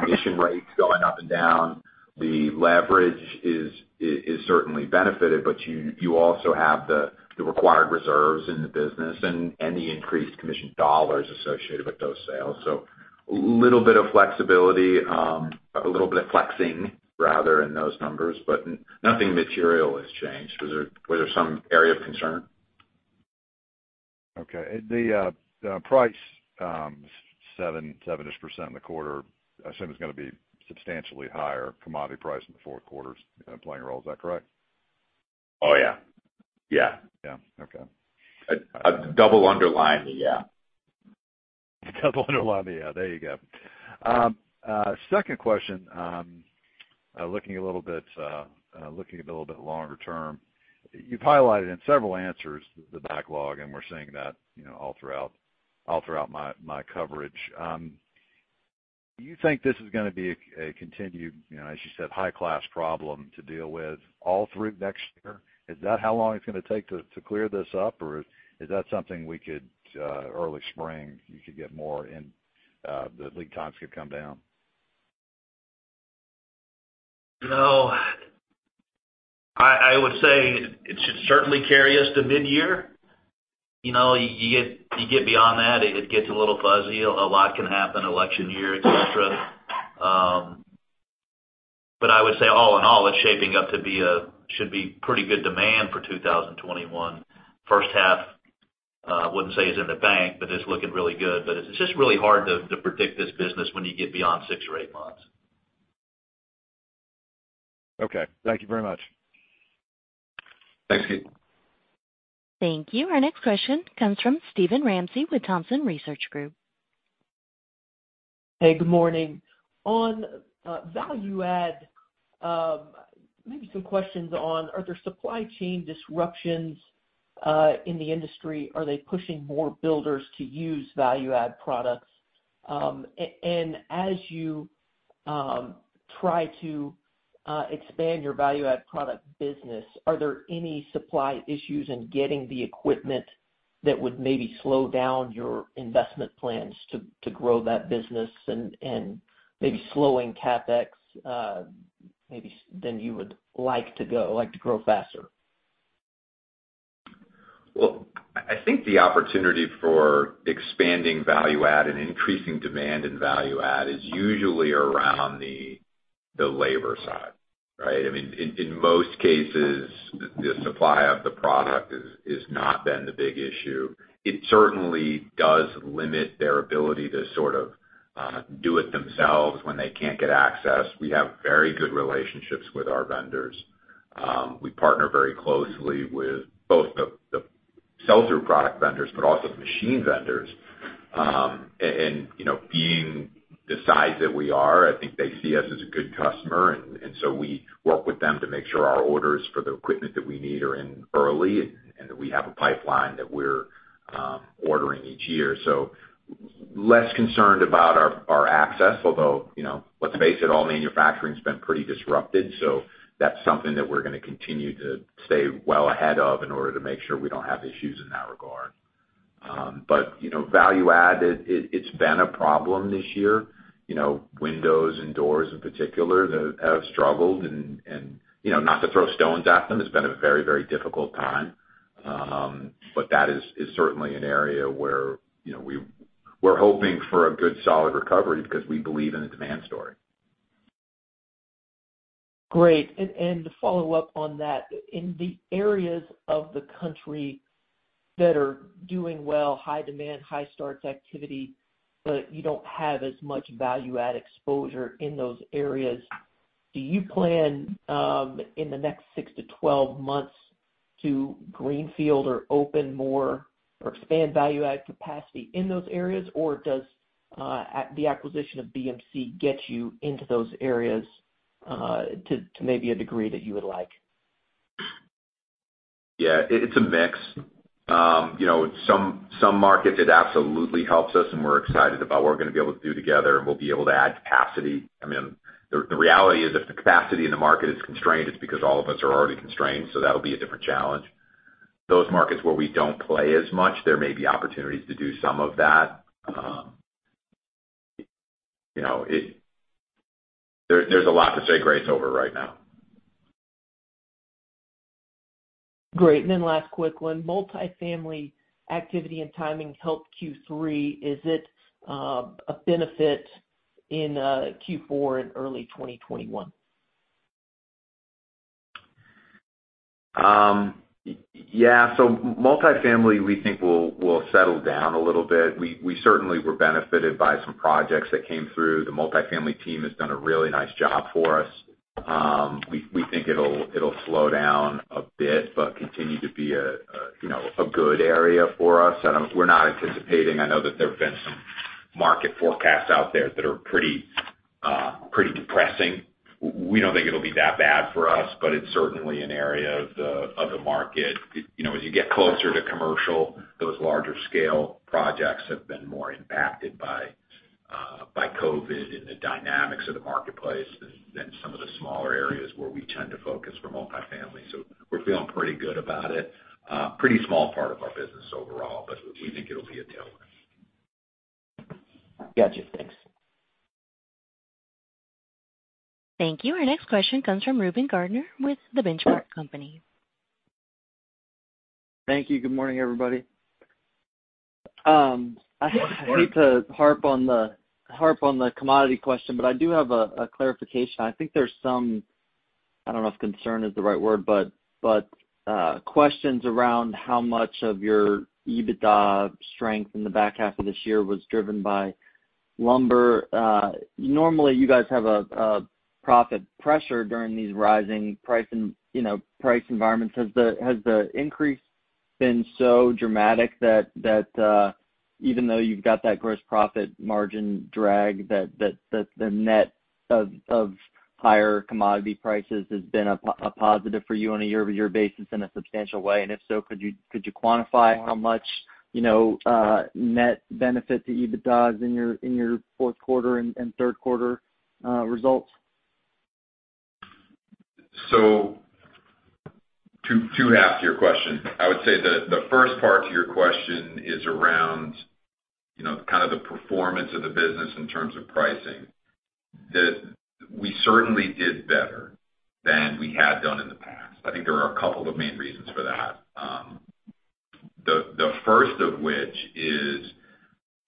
commission rates going up and down. The leverage is certainly benefited, but you also have the required reserves in the business and the increased commission dollars associated with those sales. A little bit of flexibility, a little bit of flexing rather in those numbers, but nothing material has changed. Was there some area of concern? Okay. The price, 7%-ish in the quarter, I assume is going to be substantially higher commodity price in the fourth quarter is playing a role. Is that correct? Oh, yeah. Yeah. Okay. A double underline the yeah. A double underline the yeah. There you go. Second question, looking a little bit longer term. You've highlighted in several answers the backlog, and we're seeing that all throughout my coverage. Do you think this is going to be a continued, as you said, high-class problem to deal with all through next year? Is that how long it's going to take to clear this up, or is that something we could early spring, you could get more in, the lead times could come down? No. I would say it should certainly carry us to midyear. You get beyond that, it gets a little fuzzy. A lot can happen election year, et cetera. I would say all in all, it's shaping up to be a should be pretty good demand for 2021. First half, I wouldn't say is in the bank, but it's looking really good. It's just really hard to predict this business when you get beyond six or eight months. Okay. Thank you very much. Thanks, Keith. Thank you. Our next question comes from Steven Ramsey with Thompson Research Group. Hey, good morning. On value add, maybe some questions on. Are there supply chain disruptions in the industry? Are they pushing more builders to use value add products? As you try to expand your value add product business, are there any supply issues in getting the equipment that would maybe slow down your investment plans to grow that business and maybe slowing CapEx, maybe than you would like to grow faster? Well, I think the opportunity for expanding value add and increasing demand in value add is usually around the labor side, right? In most cases, the supply of the product has not been the big issue. It certainly does limit their ability to sort of do it themselves when they can't get access. We have very good relationships with our vendors. We partner very closely with both the sell-through product vendors, but also the machine vendors. Being the size that we are, I think they see us as a good customer, and so we work with them to make sure our orders for the equipment that we need are in early, and that we have a pipeline that we're ordering each year. Less concerned about our access, although, let's face it, all manufacturing's been pretty disrupted, so that's something that we're going to continue to stay well ahead of in order to make sure we don't have issues in that regard. Value add, it's been a problem this year. Windows and doors in particular that have struggled and not to throw stones at them, it's been a very, very difficult time. That is certainly an area where we're hoping for a good, solid recovery because we believe in the demand story. To follow up on that, in the areas of the country that are doing well, high demand, high starts activity, but you don't have as much value add exposure in those areas, do you plan, in the next 6 to 12 months to greenfield or open more or expand value add capacity in those areas? Or does the acquisition of BMC get you into those areas to maybe a degree that you would like? Yeah, it's a mix. Some markets it absolutely helps us, and we're excited about what we're going to be able to do together, and we'll be able to add capacity. The reality is, if the capacity in the market is constrained, it's because all of us are already constrained, so that'll be a different challenge. Those markets where we don't play as much, there may be opportunities to do some of that. There's a lot to say grace over right now. Great. Last quick one. Multifamily activity and timing helped Q3. Is it a benefit in Q4 and early 2021? Yeah. Multifamily, we think will settle down a little bit. We certainly were benefited by some projects that came through. The multifamily team has done a really nice job for us. We think it'll slow down a bit, but continue to be a good area for us. We're not anticipating, I know that there have been some market forecasts out there that are pretty depressing. We don't think it'll be that bad for us, but it's certainly an area of the market. As you get closer to commercial, those larger scale projects have been more impacted by COVID and the dynamics of the marketplace than some of the smaller areas where we tend to focus for multifamily. We're feeling pretty good about it. Pretty small part of our business overall, but we think it'll be a tailwind. Gotcha. Thanks. Thank you. Our next question comes from Reuben Garner with The Benchmark Company. Thank you. Good morning, everybody. Good morning. I hate to harp on the commodity question, but I do have a clarification. I think there's some, I don't know if concern is the right word, but questions around how much of your EBITDA strength in the back half of this year was driven by lumber. Normally, you guys have a profit pressure during these rising price environments. Has the increase been so dramatic that even though you've got that gross profit margin drag, that the net of higher commodity prices has been a positive for you on a year-over-year basis in a substantial way? If so, could you quantify how much net benefit to EBITDA is in your fourth quarter and third quarter results? Two halves to your question. I would say that the first part to your question is around the performance of the business in terms of pricing. That we certainly did better than we had done in the past. I think there are a couple of main reasons for that. The first of which is,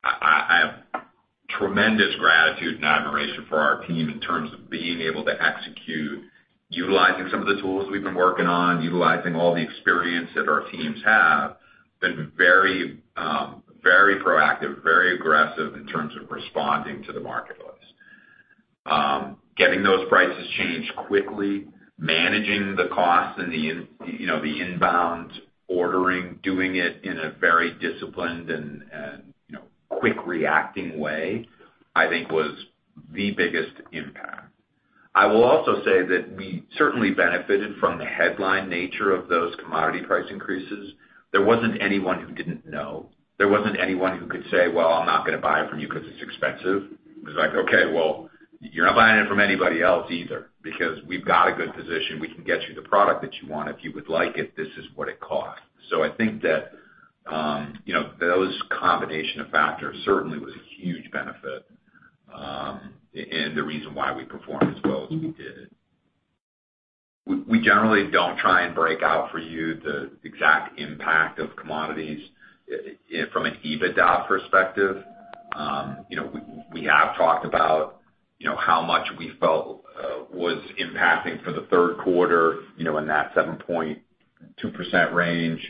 I have tremendous gratitude and admiration for our team in terms of being able to execute, utilizing some of the tools we've been working on, utilizing all the experience that our teams have, been very proactive, very aggressive in terms of responding to the marketplace. Getting those prices changed quickly, managing the cost and the inbound ordering, doing it in a very disciplined and quick reacting way, I think was the biggest impact. I will also say that we certainly benefited from the headline nature of those commodity price increases. There wasn't anyone who didn't know. There wasn't anyone who could say, "Well, I'm not going to buy it from you because it's expensive." It was like, "Okay, well, you're not buying it from anybody else either, because we've got a good position. We can get you the product that you want. If you would like it, this is what it costs." I think that, those combination of factors certainly was a huge benefit, and the reason why we performed as well as we did. We generally don't try and break out for you the exact impact of commodities from an EBITDA perspective. We have talked about how much we felt was impacting for the third quarter, in that 7.2% range.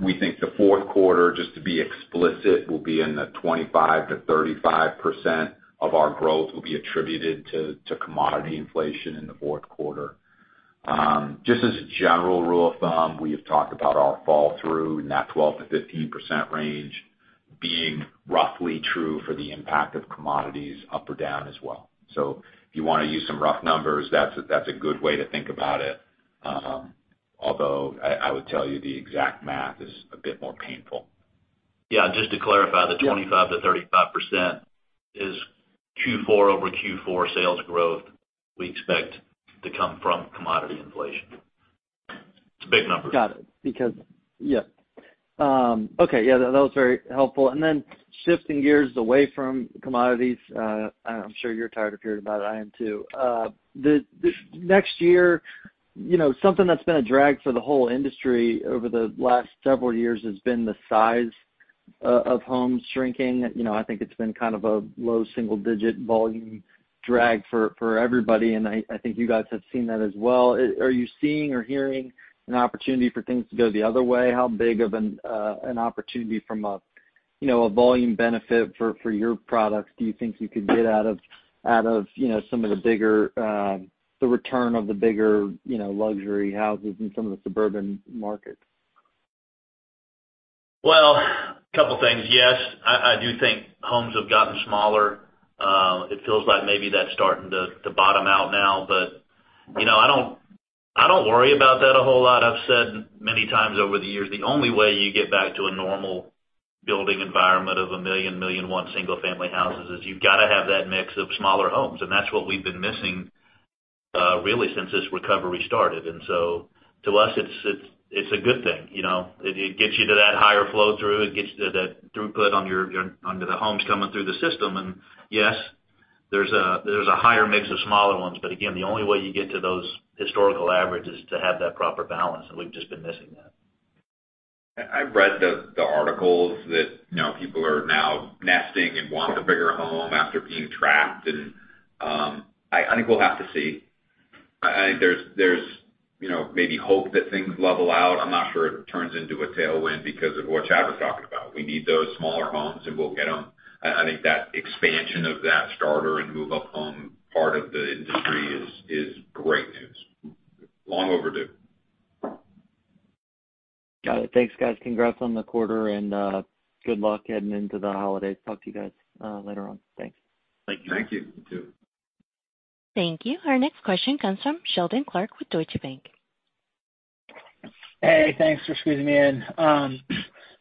We think the fourth quarter, just to be explicit, will be in the 25%-35% of our growth will be attributed to commodity inflation in the fourth quarter. Just as a general rule of thumb, we have talked about our fall through in that 12%-15% range being roughly true for the impact of commodities up or down as well. If you want to use some rough numbers, that's a good way to think about it. Although, I would tell you the exact math is a bit more painful. Yeah, just to clarify, the 25%-35% is Q4 over Q4 sales growth we expect to come from commodity inflation. It's a big number. Got it. Yeah. Okay. Yeah, that was very helpful. Shifting gears away from commodities, I'm sure you're tired of hearing about it. I am, too. Next year, something that's been a drag for the whole industry over the last several years has been the size of homes shrinking. I think it's been kind of a low single digit volume drag for everybody, and I think you guys have seen that as well. Are you seeing or hearing an opportunity for things to go the other way? How big of an opportunity from a volume benefit for your products do you think you could get out of some of the return of the bigger luxury houses in some of the suburban markets? Well, a couple things. Yes, I do think homes have gotten smaller. It feels like maybe that's starting to bottom out now, but I don't worry about that a whole lot. I've said many times over the years, the only way you get back to a normal building environment of 1 million, 1.1 million single family houses is you've got to have that mix of smaller homes. That's what we've been missing really since this recovery started. To us, it's a good thing. It gets you to that higher flow through. It gets you to that throughput onto the homes coming through the system. Yes, there's a higher mix of smaller ones. Again, the only way you get to those historical averages is to have that proper balance, and we've just been missing that. I've read the articles that people are now nesting and want a bigger home after being trapped, and I think we'll have to see. I think there's maybe hope that things level out. I'm not sure it turns into a tailwind because of what Chad was talking about. We need those smaller homes, and we'll get them. I think that expansion of that starter and move-up home part of the industry is great news. Long overdue. Got it. Thanks, guys. Congrats on the quarter and good luck heading into the holidays. Talk to you guys later on. Thanks. Thank you. Thank you. You too. Thank you. Our next question comes from Seldon Clarke with Deutsche Bank. Hey, thanks for squeezing me in.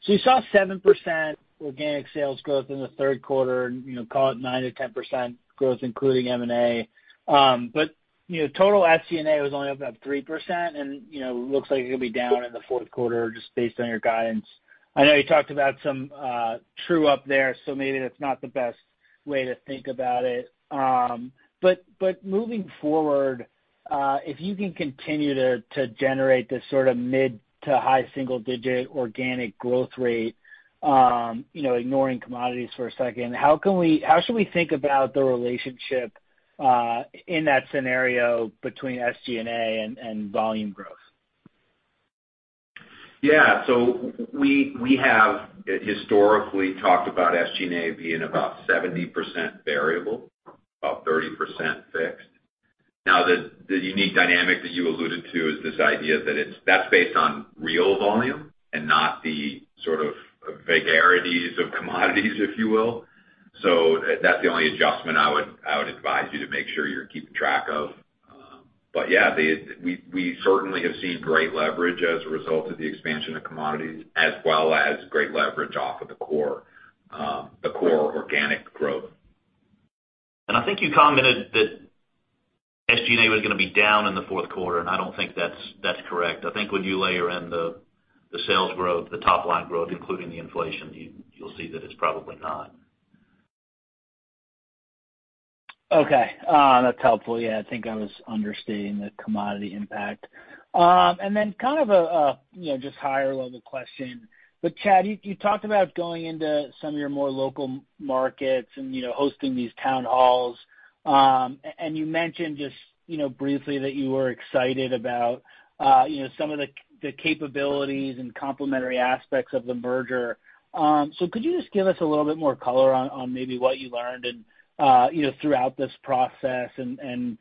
You saw 7% organic sales growth in the third quarter, and call it 9%-10% growth including M&A. Total SG&A was only up about 3%, and it looks like it'll be down in the fourth quarter just based on your guidance. I know you talked about some true up there, so maybe that's not the best way to think about it. Moving forward, if you can continue to generate this sort of mid to high single-digit organic growth rate, ignoring commodities for a second, how should we think about the relationship in that scenario between SG&A and volume growth? Yeah. We have historically talked about SG&A being about 70% variable, about 30% fixed. Now, the unique dynamic that you alluded to is this idea that that's based on real volume and not the sort of vagaries of commodities, if you will. That's the only adjustment I would advise you to make sure you're keeping track of. Yeah, we certainly have seen great leverage as a result of the expansion of commodities as well as great leverage off of the core organic growth. I think you commented that SG&A was going to be down in the fourth quarter, and I don't think that's correct. I think when you layer in the sales growth, the top-line growth, including the inflation, you'll see that it's probably not. Okay. That's helpful. Yeah, I think I was understating the commodity impact. Kind of a just higher level question. Chad, you talked about going into some of your more local markets and hosting these town halls. You mentioned just briefly that you were excited about some of the capabilities and complementary aspects of the merger. Could you just give us a little bit more color on maybe what you learned and throughout this process and,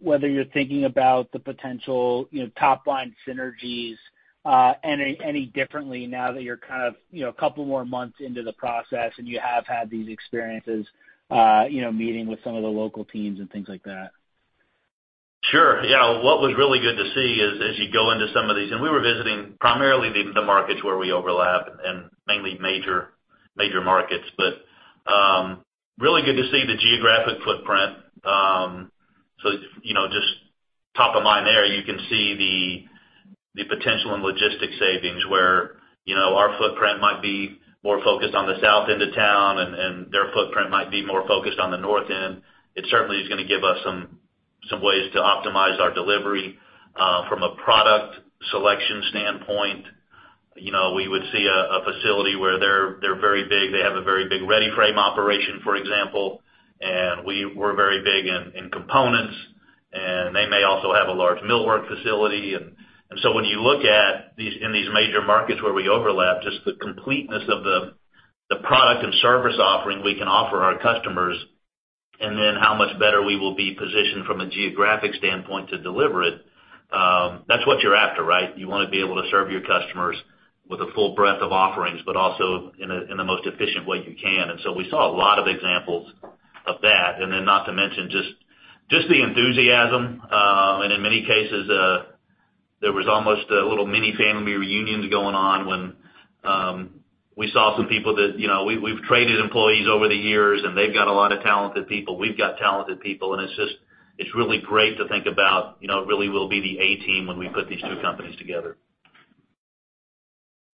whether you're thinking about the potential top-line synergies, any differently now that you're kind of a couple more months into the process and you have had these experiences meeting with some of the local teams and things like that? Sure. Yeah. What was really good to see is as you go into some of these, and we were visiting primarily the markets where we overlap and mainly major markets. Really good to see the geographic footprint. Just top of mind there, you can see the potential in logistics savings where our footprint might be more focused on the south end of town and their footprint might be more focused on the north end. It certainly is going to give us some ways to optimize our delivery. From a product selection standpoint, we would see a facility where they're very big. They have a very big READY-FRAME operation, for example, and we're very big in components, and they may also have a large millwork facility. When you look at in these major markets where we overlap, just the completeness of the product and service offering we can offer our customers, how much better we will be positioned from a geographic standpoint to deliver it, that's what you're after, right? You want to be able to serve your customers with a full breadth of offerings, but also in the most efficient way you can. We saw a lot of examples of that. Not to mention just the enthusiasm. In many cases, there was almost little mini family reunions going on when we saw some people that we've traded employees over the years, and they've got a lot of talented people. We've got talented people, and it's really great to think about really will be the A team when we put these two companies together.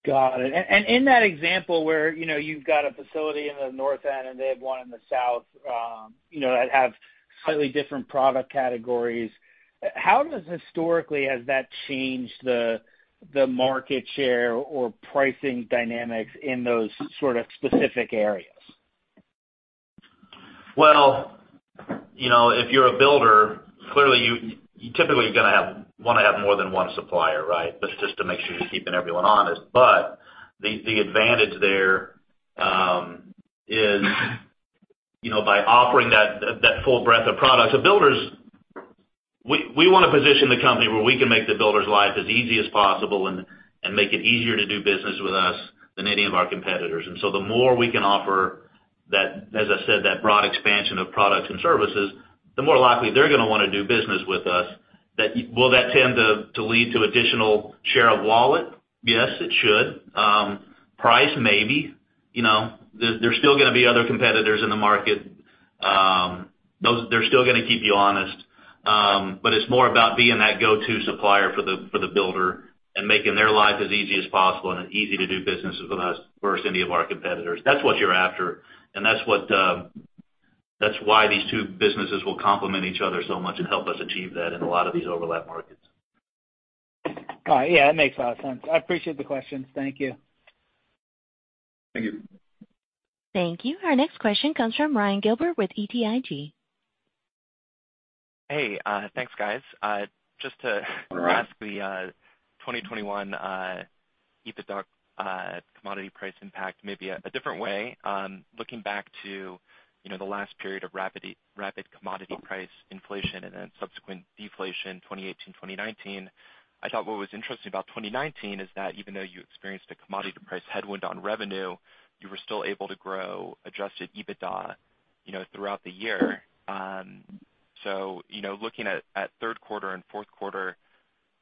Got it. In that example where you've got a facility in the north end and they have one in the south that have slightly different product categories, how does historically has that changed the market share or pricing dynamics in those sort of specific areas? Well, if you're a builder, clearly you typically want to have more than one supplier, right? That's just to make sure you're keeping everyone honest. The advantage there is, by offering that full breadth of products. Builders, we want to position the company where we can make the builder's life as easy as possible and make it easier to do business with us than any of our competitors. The more we can offer that, as I said, that broad expansion of products and services, the more likely they're going to want to do business with us. Will that tend to lead to additional share of wallet? Yes, it should. Price, maybe. There's still going to be other competitors in the market. They're still going to keep you honest. It's more about being that go-to supplier for the builder and making their life as easy as possible and as easy to do business with us versus any of our competitors. That's what you're after, and that's why these two businesses will complement each other so much and help us achieve that in a lot of these overlap markets. Yeah, that makes a lot of sense. I appreciate the questions. Thank you. Thank you. Thank you. Our next question comes from Ryan Gilbert with BTIG. Hey, thanks, guys. Just to ask the 2021 EBITDA commodity price impact, maybe a different way. Looking back to the last period of rapid commodity price inflation and then subsequent deflation 2018, 2019, I thought what was interesting about 2019 is that even though you experienced a commodity price headwind on revenue, you were still able to grow adjusted EBITDA throughout the year. Looking at third quarter and fourth quarter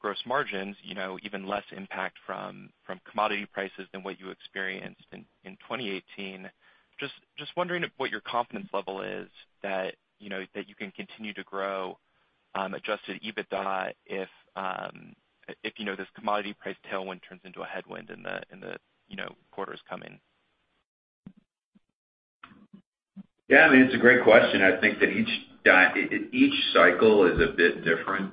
gross margins, even less impact from commodity prices than what you experienced in 2018. Just wondering what your confidence level is that you can continue to grow adjusted EBITDA if this commodity price tailwind turns into a headwind in the quarters coming. Yeah, it's a great question. I think that each cycle is a bit different.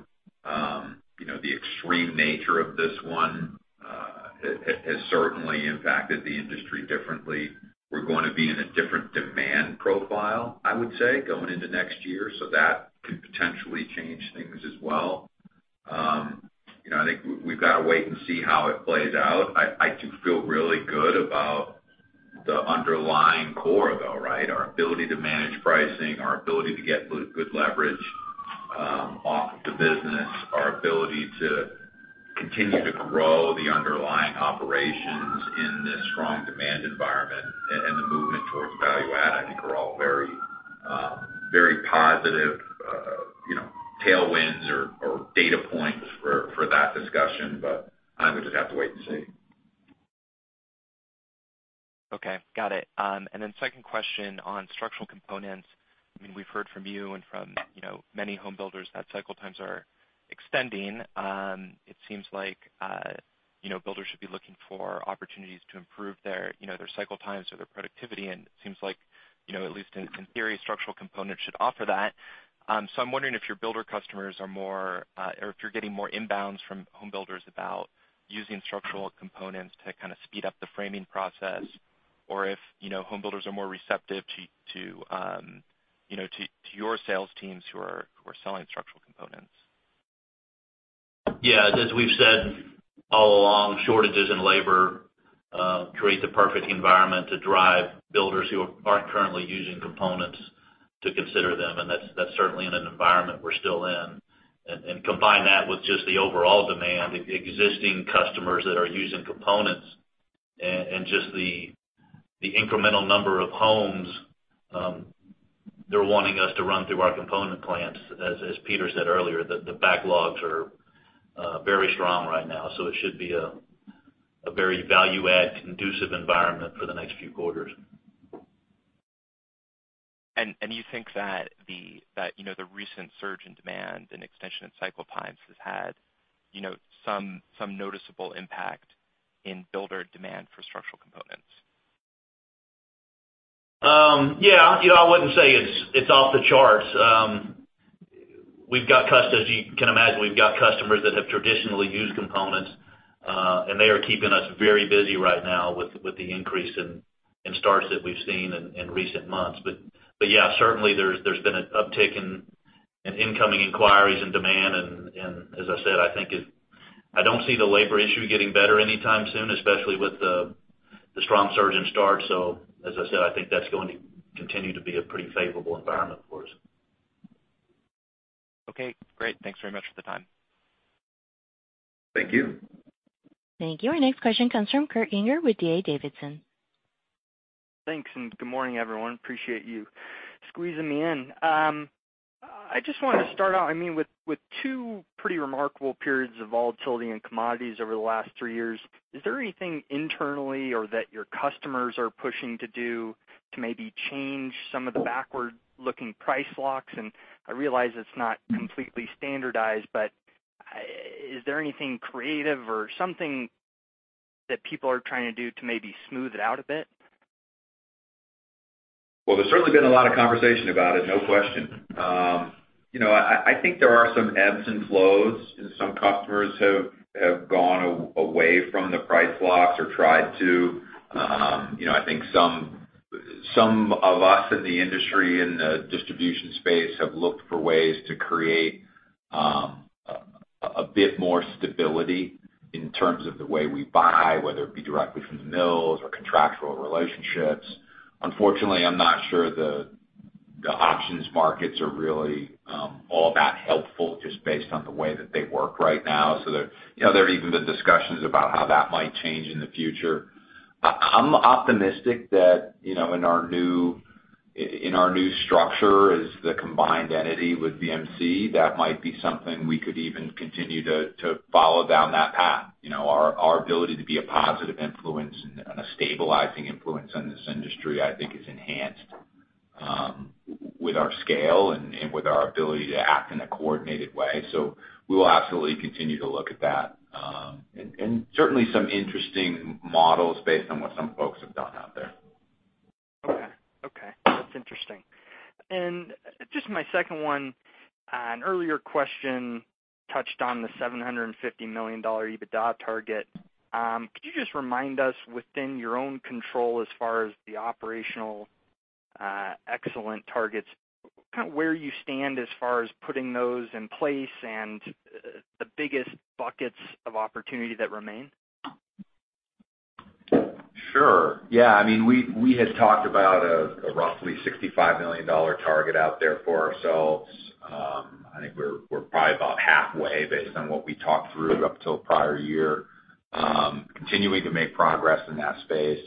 The extreme nature of this one has certainly impacted the industry differently. We're going to be in a different demand profile, I would say, going into next year, so that could potentially change things as well. I think we've got to wait and see how it plays out. I do feel really good about the underlying core, though, right? Our ability to manage pricing, our ability to get good leverage off the business, our ability to continue to grow the underlying operations in this strong demand environment and the movement towards value add, I think are all very positive tailwinds or data points for that discussion. But I would just have to wait and see. Okay, got it. Second question on structural components. We've heard from you and from many home builders that cycle times are extending. It seems like builders should be looking for opportunities to improve their cycle times or their productivity. It seems like, at least in theory, structural components should offer that. I'm wondering if your builder customers are or if you're getting more inbounds from home builders about using structural components to kind of speed up the framing process, or if home builders are more receptive to your sales teams who are selling structural components. Yeah. As we've said all along, shortages in labor create the perfect environment to drive builders who aren't currently using components to consider them, and that's certainly in an environment we're still in. Combine that with just the overall demand, the existing customers that are using components and just the incremental number of homes they're wanting us to run through our component plants. As Peter said earlier, the backlogs are very strong right now, so it should be a very value add conducive environment for the next few quarters. You think that the recent surge in demand and extension in cycle times has had some noticeable impact in builder demand for structural components? Yeah. I wouldn't say it's off the charts. As you can imagine, we've got customers that have traditionally used components, and they are keeping us very busy right now with the increase in starts that we've seen in recent months. Yeah, certainly there's been an uptick in incoming inquiries and demand and, as I said, I don't see the labor issue getting better anytime soon, especially with the strong surge in starts. As I said, I think that's going to continue to be a pretty favorable environment for us. Okay, great. Thanks very much for the time. Thank you. Thank you. Our next question comes from Kurt Yinger with D.A. Davidson. Thanks, and good morning, everyone. Appreciate you squeezing me in. I just wanted to start out with two pretty remarkable periods of volatility in commodities over the last three years. Is there anything internally or that your customers are pushing to do to maybe change some of the backward-looking price locks? I realize it's not completely standardized, but is there anything creative or something that people are trying to do to maybe smooth it out a bit? Well, there's certainly been a lot of conversation about it, no question. I think there are some ebbs and flows, and some customers have gone away from the price locks or tried to. I think some of us in the industry, in the distribution space, have looked for ways to create a bit more stability in terms of the way we buy, whether it be directly from the mills or contractual relationships. Unfortunately, I'm not sure the options markets are really all that helpful just based on the way that they work right now. There are even the discussions about how that might change in the future. I'm optimistic that in our new structure as the combined entity with BMC, that might be something we could even continue to follow down that path. Our ability to be a positive influence and a stabilizing influence on this industry, I think is enhanced with our scale and with our ability to act in a coordinated way. We will absolutely continue to look at that. Certainly some interesting models based on what some folks have done out there. Okay. That's interesting. Just my second one, an earlier question touched on the $750 million EBITDA target. Could you just remind us within your own control as far as the operational excellence targets, kind of where you stand as far as putting those in place and the biggest buckets of opportunity that remain? Sure. Yeah. We had talked about a roughly $65 million target out there for ourselves. I think we're probably about halfway based on what we talked through up till prior year. Continuing to make progress in that space.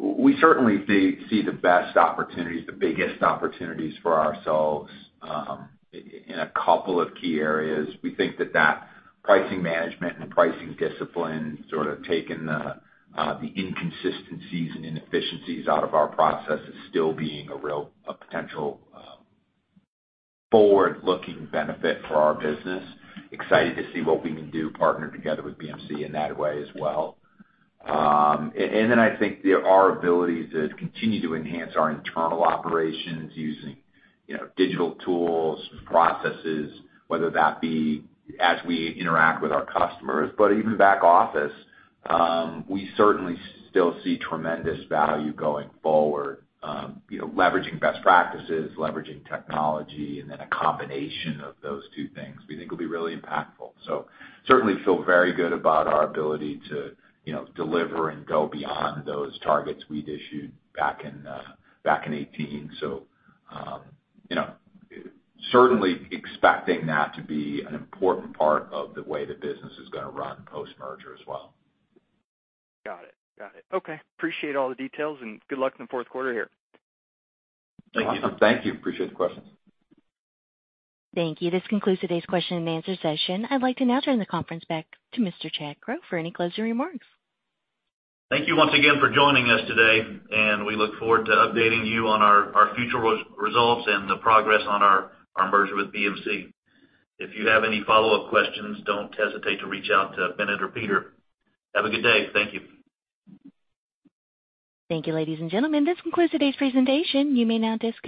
We certainly see the best opportunities, the biggest opportunities for ourselves in a couple of key areas. We think that pricing management and pricing discipline sort of taking the inconsistencies and inefficiencies out of our process as still being a real potential forward-looking benefit for our business. Excited to see what we can do partnered together with BMC in that way as well. I think our ability to continue to enhance our internal operations using digital tools, processes, whether that be as we interact with our customers. Even back office, we certainly still see tremendous value going forward. Leveraging best practices, leveraging technology, and then a combination of those two things we think will be really impactful. Certainly feel very good about our ability to deliver and go beyond those targets we'd issued back in 2018. Certainly expecting that to be an important part of the way the business is going to run post-merger as well. Got it. Okay. Appreciate all the details and good luck in the fourth quarter here. Awesome. Thank you. Appreciate the questions. Thank you. This concludes today's question-and-answer session. I'd like to now turn the conference back to Mr. Chad Crow for any closing remarks. Thank you once again for joining us today, and we look forward to updating you on our future results and the progress on our merger with BMC. If you have any follow-up questions, don't hesitate to reach out to Binit or Peter. Have a good day. Thank you. Thank you, ladies and gentlemen. This concludes today's presentation. You may now disconnect.